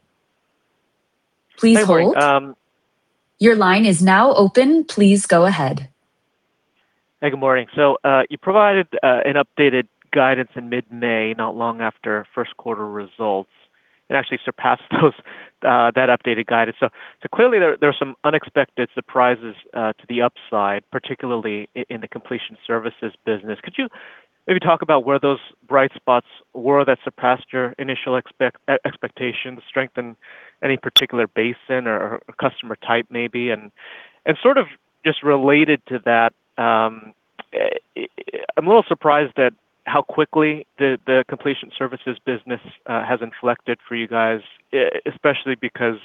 Please hold. Hey, good— Your line is now open. Please go ahead. —hey, good morning. You provided an updated guidance in mid-May, not long after first quarter results. It actually surpassed that updated guidance. Clearly, there are some unexpected surprises to the upside, particularly in the Completion Services business. Could you maybe talk about where those bright spots were that surpassed your initial expectations, strength in any particular basin or a customer type, maybe? And sort of just related to that, I'm a little surprised at how quickly the Completion Services business has inflected for you guys, especially because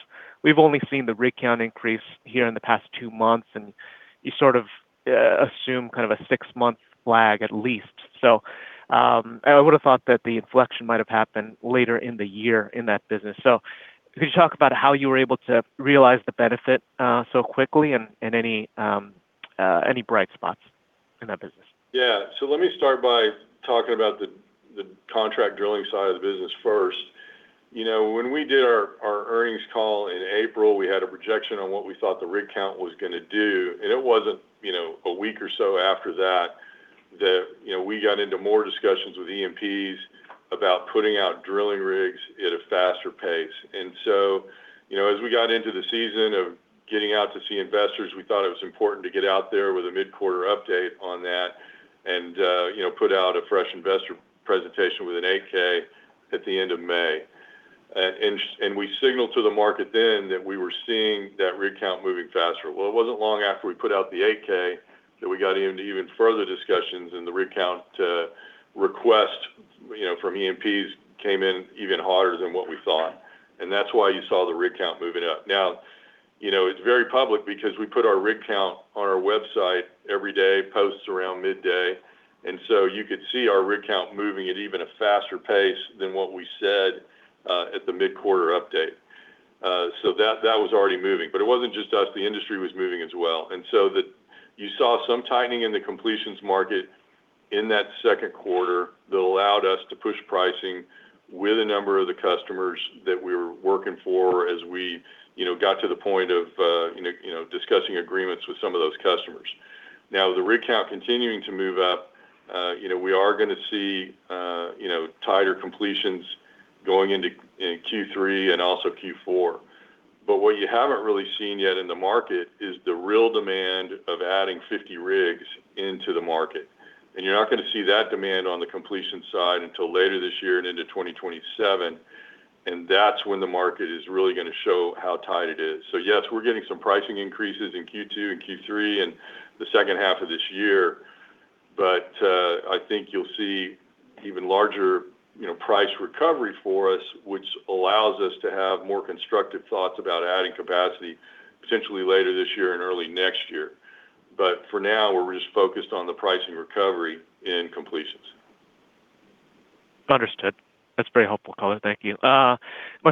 we've only seen the rig count increase here in the past two months, and you sort of assume kind of a six-month lag at least. I would've thought that the inflection might have happened later in the year in that business. Could you talk about how you were able to realize the benefit so quickly and any bright spots in that business? Yeah. Let me start by talking about the Contract Drilling side of the business first. When we did our earnings call in April, we had a projection on what we thought the rig count was gonna do, it wasn't a week or so after that we got into more discussions with E&Ps about putting out drilling rigs at a faster pace. As we got into the season of getting out to see investors, we thought it was important to get out there with a mid-quarter update on that and put out a fresh investor presentation with an 8-K at the end of May. We signaled to the market then that we were seeing that rig count moving faster. Well, it wasn't long after we put out the 8-K that we got into even further discussions in the rig count request from E&Ps came in even hotter than what we thought, and that's why you saw the rig count moving up. It's very public because we put our rig count on our website every day, posts around midday, and so you could see our rig count moving at even a faster pace than what we said at the mid-quarter update. That was already moving. It wasn't just us, the industry was moving as well. And so you saw some tightening in the completions market in that second quarter that allowed us to push pricing with a number of the customers that we were working for as we got to the point of discussing agreements with some of those customers. The rig count continuing to move up, we are gonna see tighter completions going into Q3 and also Q4. What you haven't really seen yet in the market is the real demand of adding 50 rigs into the market. You're not gonna see that demand on the completion side until later this year and into 2027, and that's when the market is really gonna show how tight it is. Yes, we're getting some pricing increases in Q2 and Q3 and the second half of this year, but, I think you'll see even larger price recovery for us, which allows us to have more constructive thoughts about adding capacity potentially later this year and early next year. For now, we're just focused on the pricing recovery in completions. Understood. That's very helpful color. Thank you. My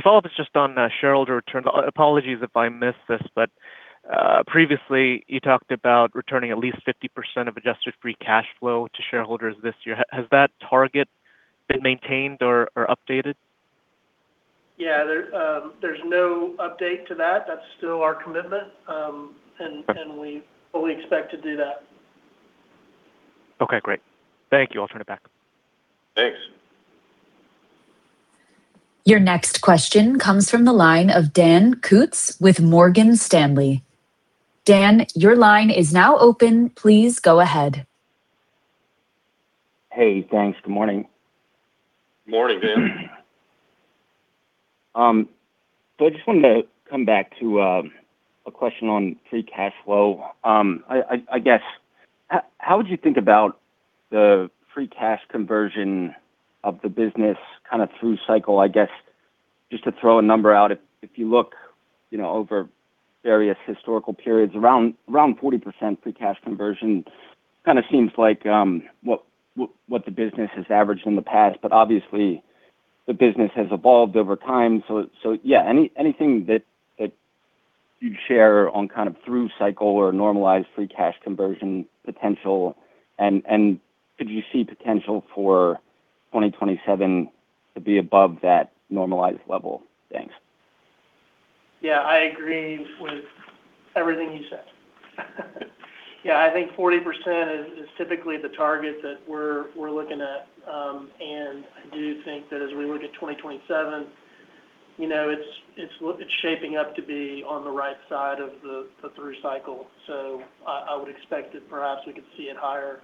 follow-up is just on shareholder return. Apologies if I missed this, but previously, you talked about returning at least 50% of adjusted free cash flow to shareholders this year. Has that target been maintained or updated? Yeah. There's no update to that. That's still our commitment, and we fully expect to do that. Okay, great. Thank you. I'll turn it back. Thanks. Your next question comes from the line of Dan Kutz with Morgan Stanley. Dan, your line is now open. Please go ahead. Hey, thanks. Good morning. Morning, Dan. I just wanted to come back to a question on free cash flow. I guess, how would you think about the free cash conversion of the business kind of through cycle, I guess? Just to throw a number out, if you look over various historical periods, around 40% free cash conversion kind of seems like what the business has averaged in the past. Obviously, the business has evolved over time. Yeah, anything that you'd share on kind of through cycle or normalized free cash conversion potential, and could you see potential for 2027 to be above that normalized level? Thanks. Yeah. I agree with everything you said. I do think that as we look at 2027, it is shaping up to be on the right side of the through cycle. I would expect that perhaps we could see it higher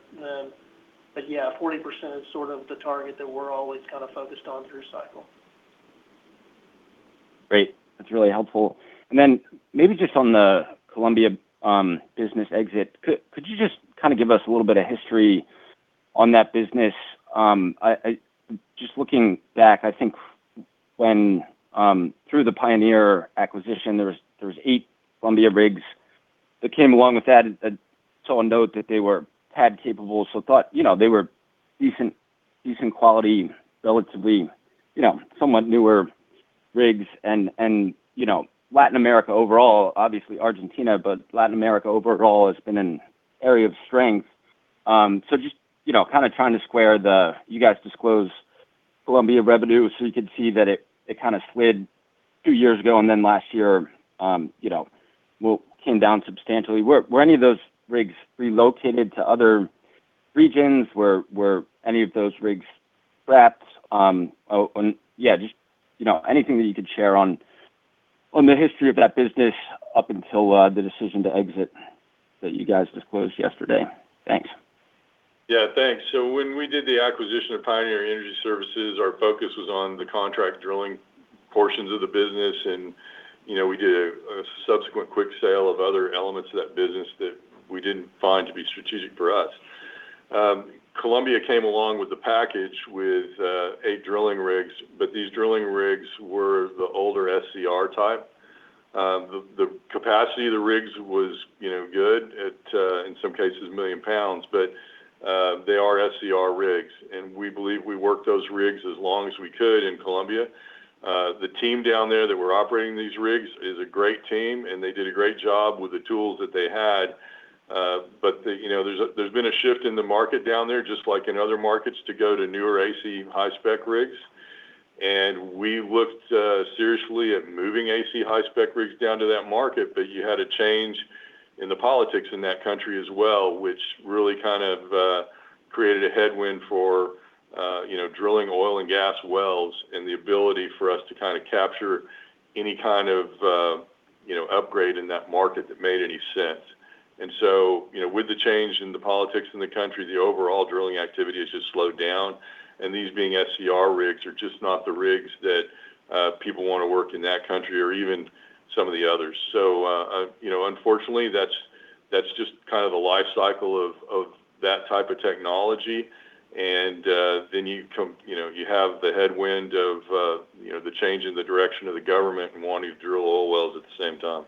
then. Yeah, 40% is sort of the target that we are always kind of focused on through cycle. Great. That is really helpful. Then maybe just on the Colombia business exit, could you just kind of give us a little bit of history on that business? Just looking back, I think when through the Pioneer acquisition, there was eight Colombia rigs that came along with that. I saw a note that they were PAD capable, so thought they were decent quality, relatively, somewhat newer rigs. Latin America overall, obviously Argentina, but Latin America overall has been an area of strength. Just kind of trying to square the you guys disclose Colombia revenue, so we could see that it kind of slid two years ago, and then last year came down substantially. Were any of those rigs relocated to other regions? Were any of those rigs scrapped? Yeah, just anything that you could share on the history of that business up until the decision to exit that you guys disclosed yesterday. Thanks. Yeah, thanks. When we did the acquisition of Pioneer Energy Services, our focus was on the Contract Drilling portions of the business, and we did a subsequent quick sale of other elements of that business that we did not find to be strategic for us. Colombia came along with the package with eight drilling rigs, but these drilling rigs were the older SCR type. The capacity of the rigs was good, in some cases, 1 million pounds, but they are SCR rigs. We believe we worked those rigs as long as we could in Colombia. The team down there that were operating these rigs is a great team, and they did a great job with the tools that they had. There has been a shift in the market down there, just like in other markets, to go to newer AC high-spec rigs. We looked seriously at moving AC high-spec rigs down to that market. You had a change in the politics in that country as well, which really kind of created a headwind for drilling oil and gas wells and the ability for us to kind of capture any kind of upgrade in that market that made any sense. With the change in the politics in the country, the overall drilling activity has just slowed down. These being SCR rigs are just not the rigs that people want to work in that country or even some of the others. Unfortunately, that's just kind of the life cycle of that type of technology. Then you have the headwind of the change in the direction of the government and wanting to drill oil wells at the same time.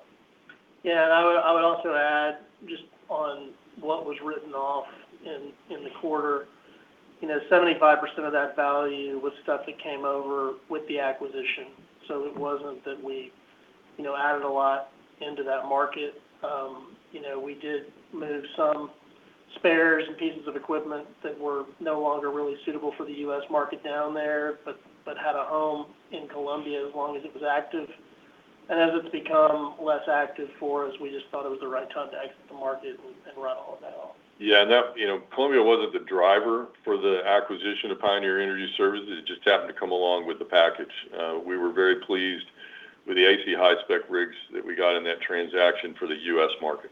Yeah. I would also add just on what was written off in the quarter, 75% of that value was stuff that came over with the acquisition. It wasn't that we added a lot into that market. We did move some spares and pieces of equipment that were no longer really suitable for the U.S. market down there, but had a home in Colombia as long as it was active. As it's become less active for us, we just thought it was the right time to exit the market and write all of that off. Yeah. Colombia wasn't the driver for the acquisition of Pioneer Energy Services. It just happened to come along with the package. We were very pleased with the AC high-spec rigs that we got in that transaction for the U.S. market.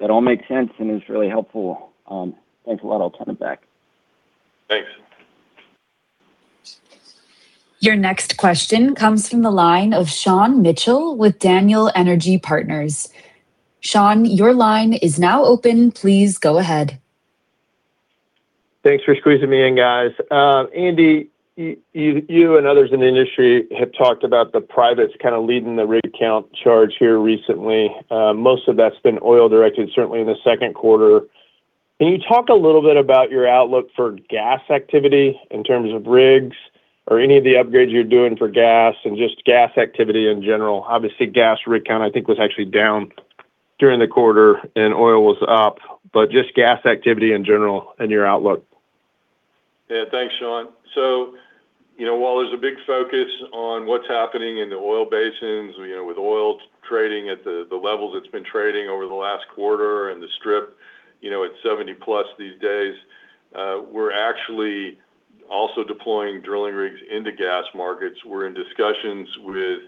That all makes sense and is really helpful. Thanks a lot. I'll turn it back. Thanks. Your next question comes from the line of Sean Mitchell with Daniel Energy Partners. Sean, your line is now open. Please go ahead. Thanks for squeezing me in, guys. Andy, you and others in the industry have talked about the privates kind of leading the rig count charge here recently. Most of that's been oil-directed, certainly in the second quarter. Can you talk a little bit about your outlook for gas activity in terms of rigs or any of the upgrades you're doing for gas and just gas activity in general? Obviously, gas rig count, I think, was actually down during the quarter and oil was up, but just gas activity in general and your outlook. Yeah. Thanks, Sean. While there's a big focus on what's happening in the oil basins, with oil trading at the levels it's been trading over the last quarter and the strip at 70+ these days, we're actually also deploying drilling rigs into gas markets. We're in discussions with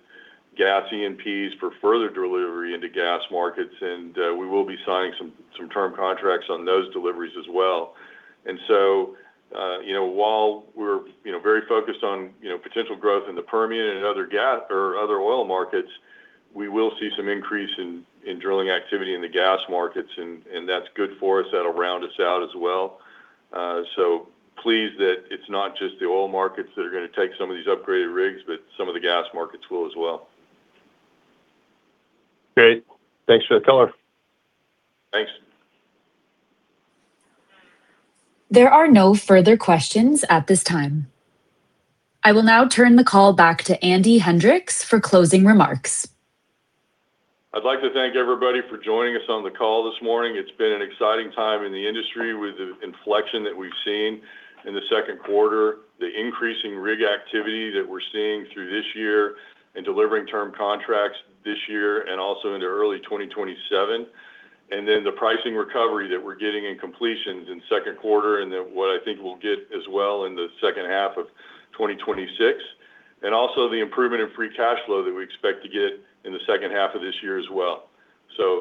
gas E&Ps for further delivery into gas markets, and we will be signing some term contracts on those deliveries as well. While we're very focused on potential growth in the Permian and other oil markets, we will see some increase in drilling activity in the gas markets, and that's good for us. That'll round us out as well. Pleased that it's not just the oil markets that are going to take some of these upgraded rigs, but some of the gas markets will as well. Great. Thanks for the color. Thanks. There are no further questions at this time. I will now turn the call back to Andy Hendricks for closing remarks. I'd like to thank everybody for joining us on the call this morning. It's been an exciting time in the industry with the inflection that we've seen in the second quarter, the increasing rig activity that we're seeing through this year, and delivering term contracts this year and also into early 2027. Then the pricing recovery that we're getting in completions in second quarter, and then what I think we'll get as well in the second half of 2026, and also the improvement in free cash flow that we expect to get in the second half of this year as well.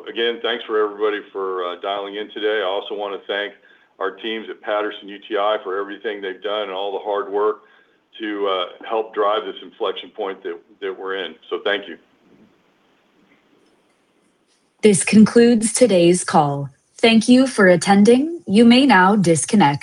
Again, thanks, everybody for dialing in today. I also want to thank our teams at Patterson-UTI for everything they've done and all the hard work to help drive this inflection point that we're in. Thank you. This concludes today's call. Thank you for attending. You may now disconnect.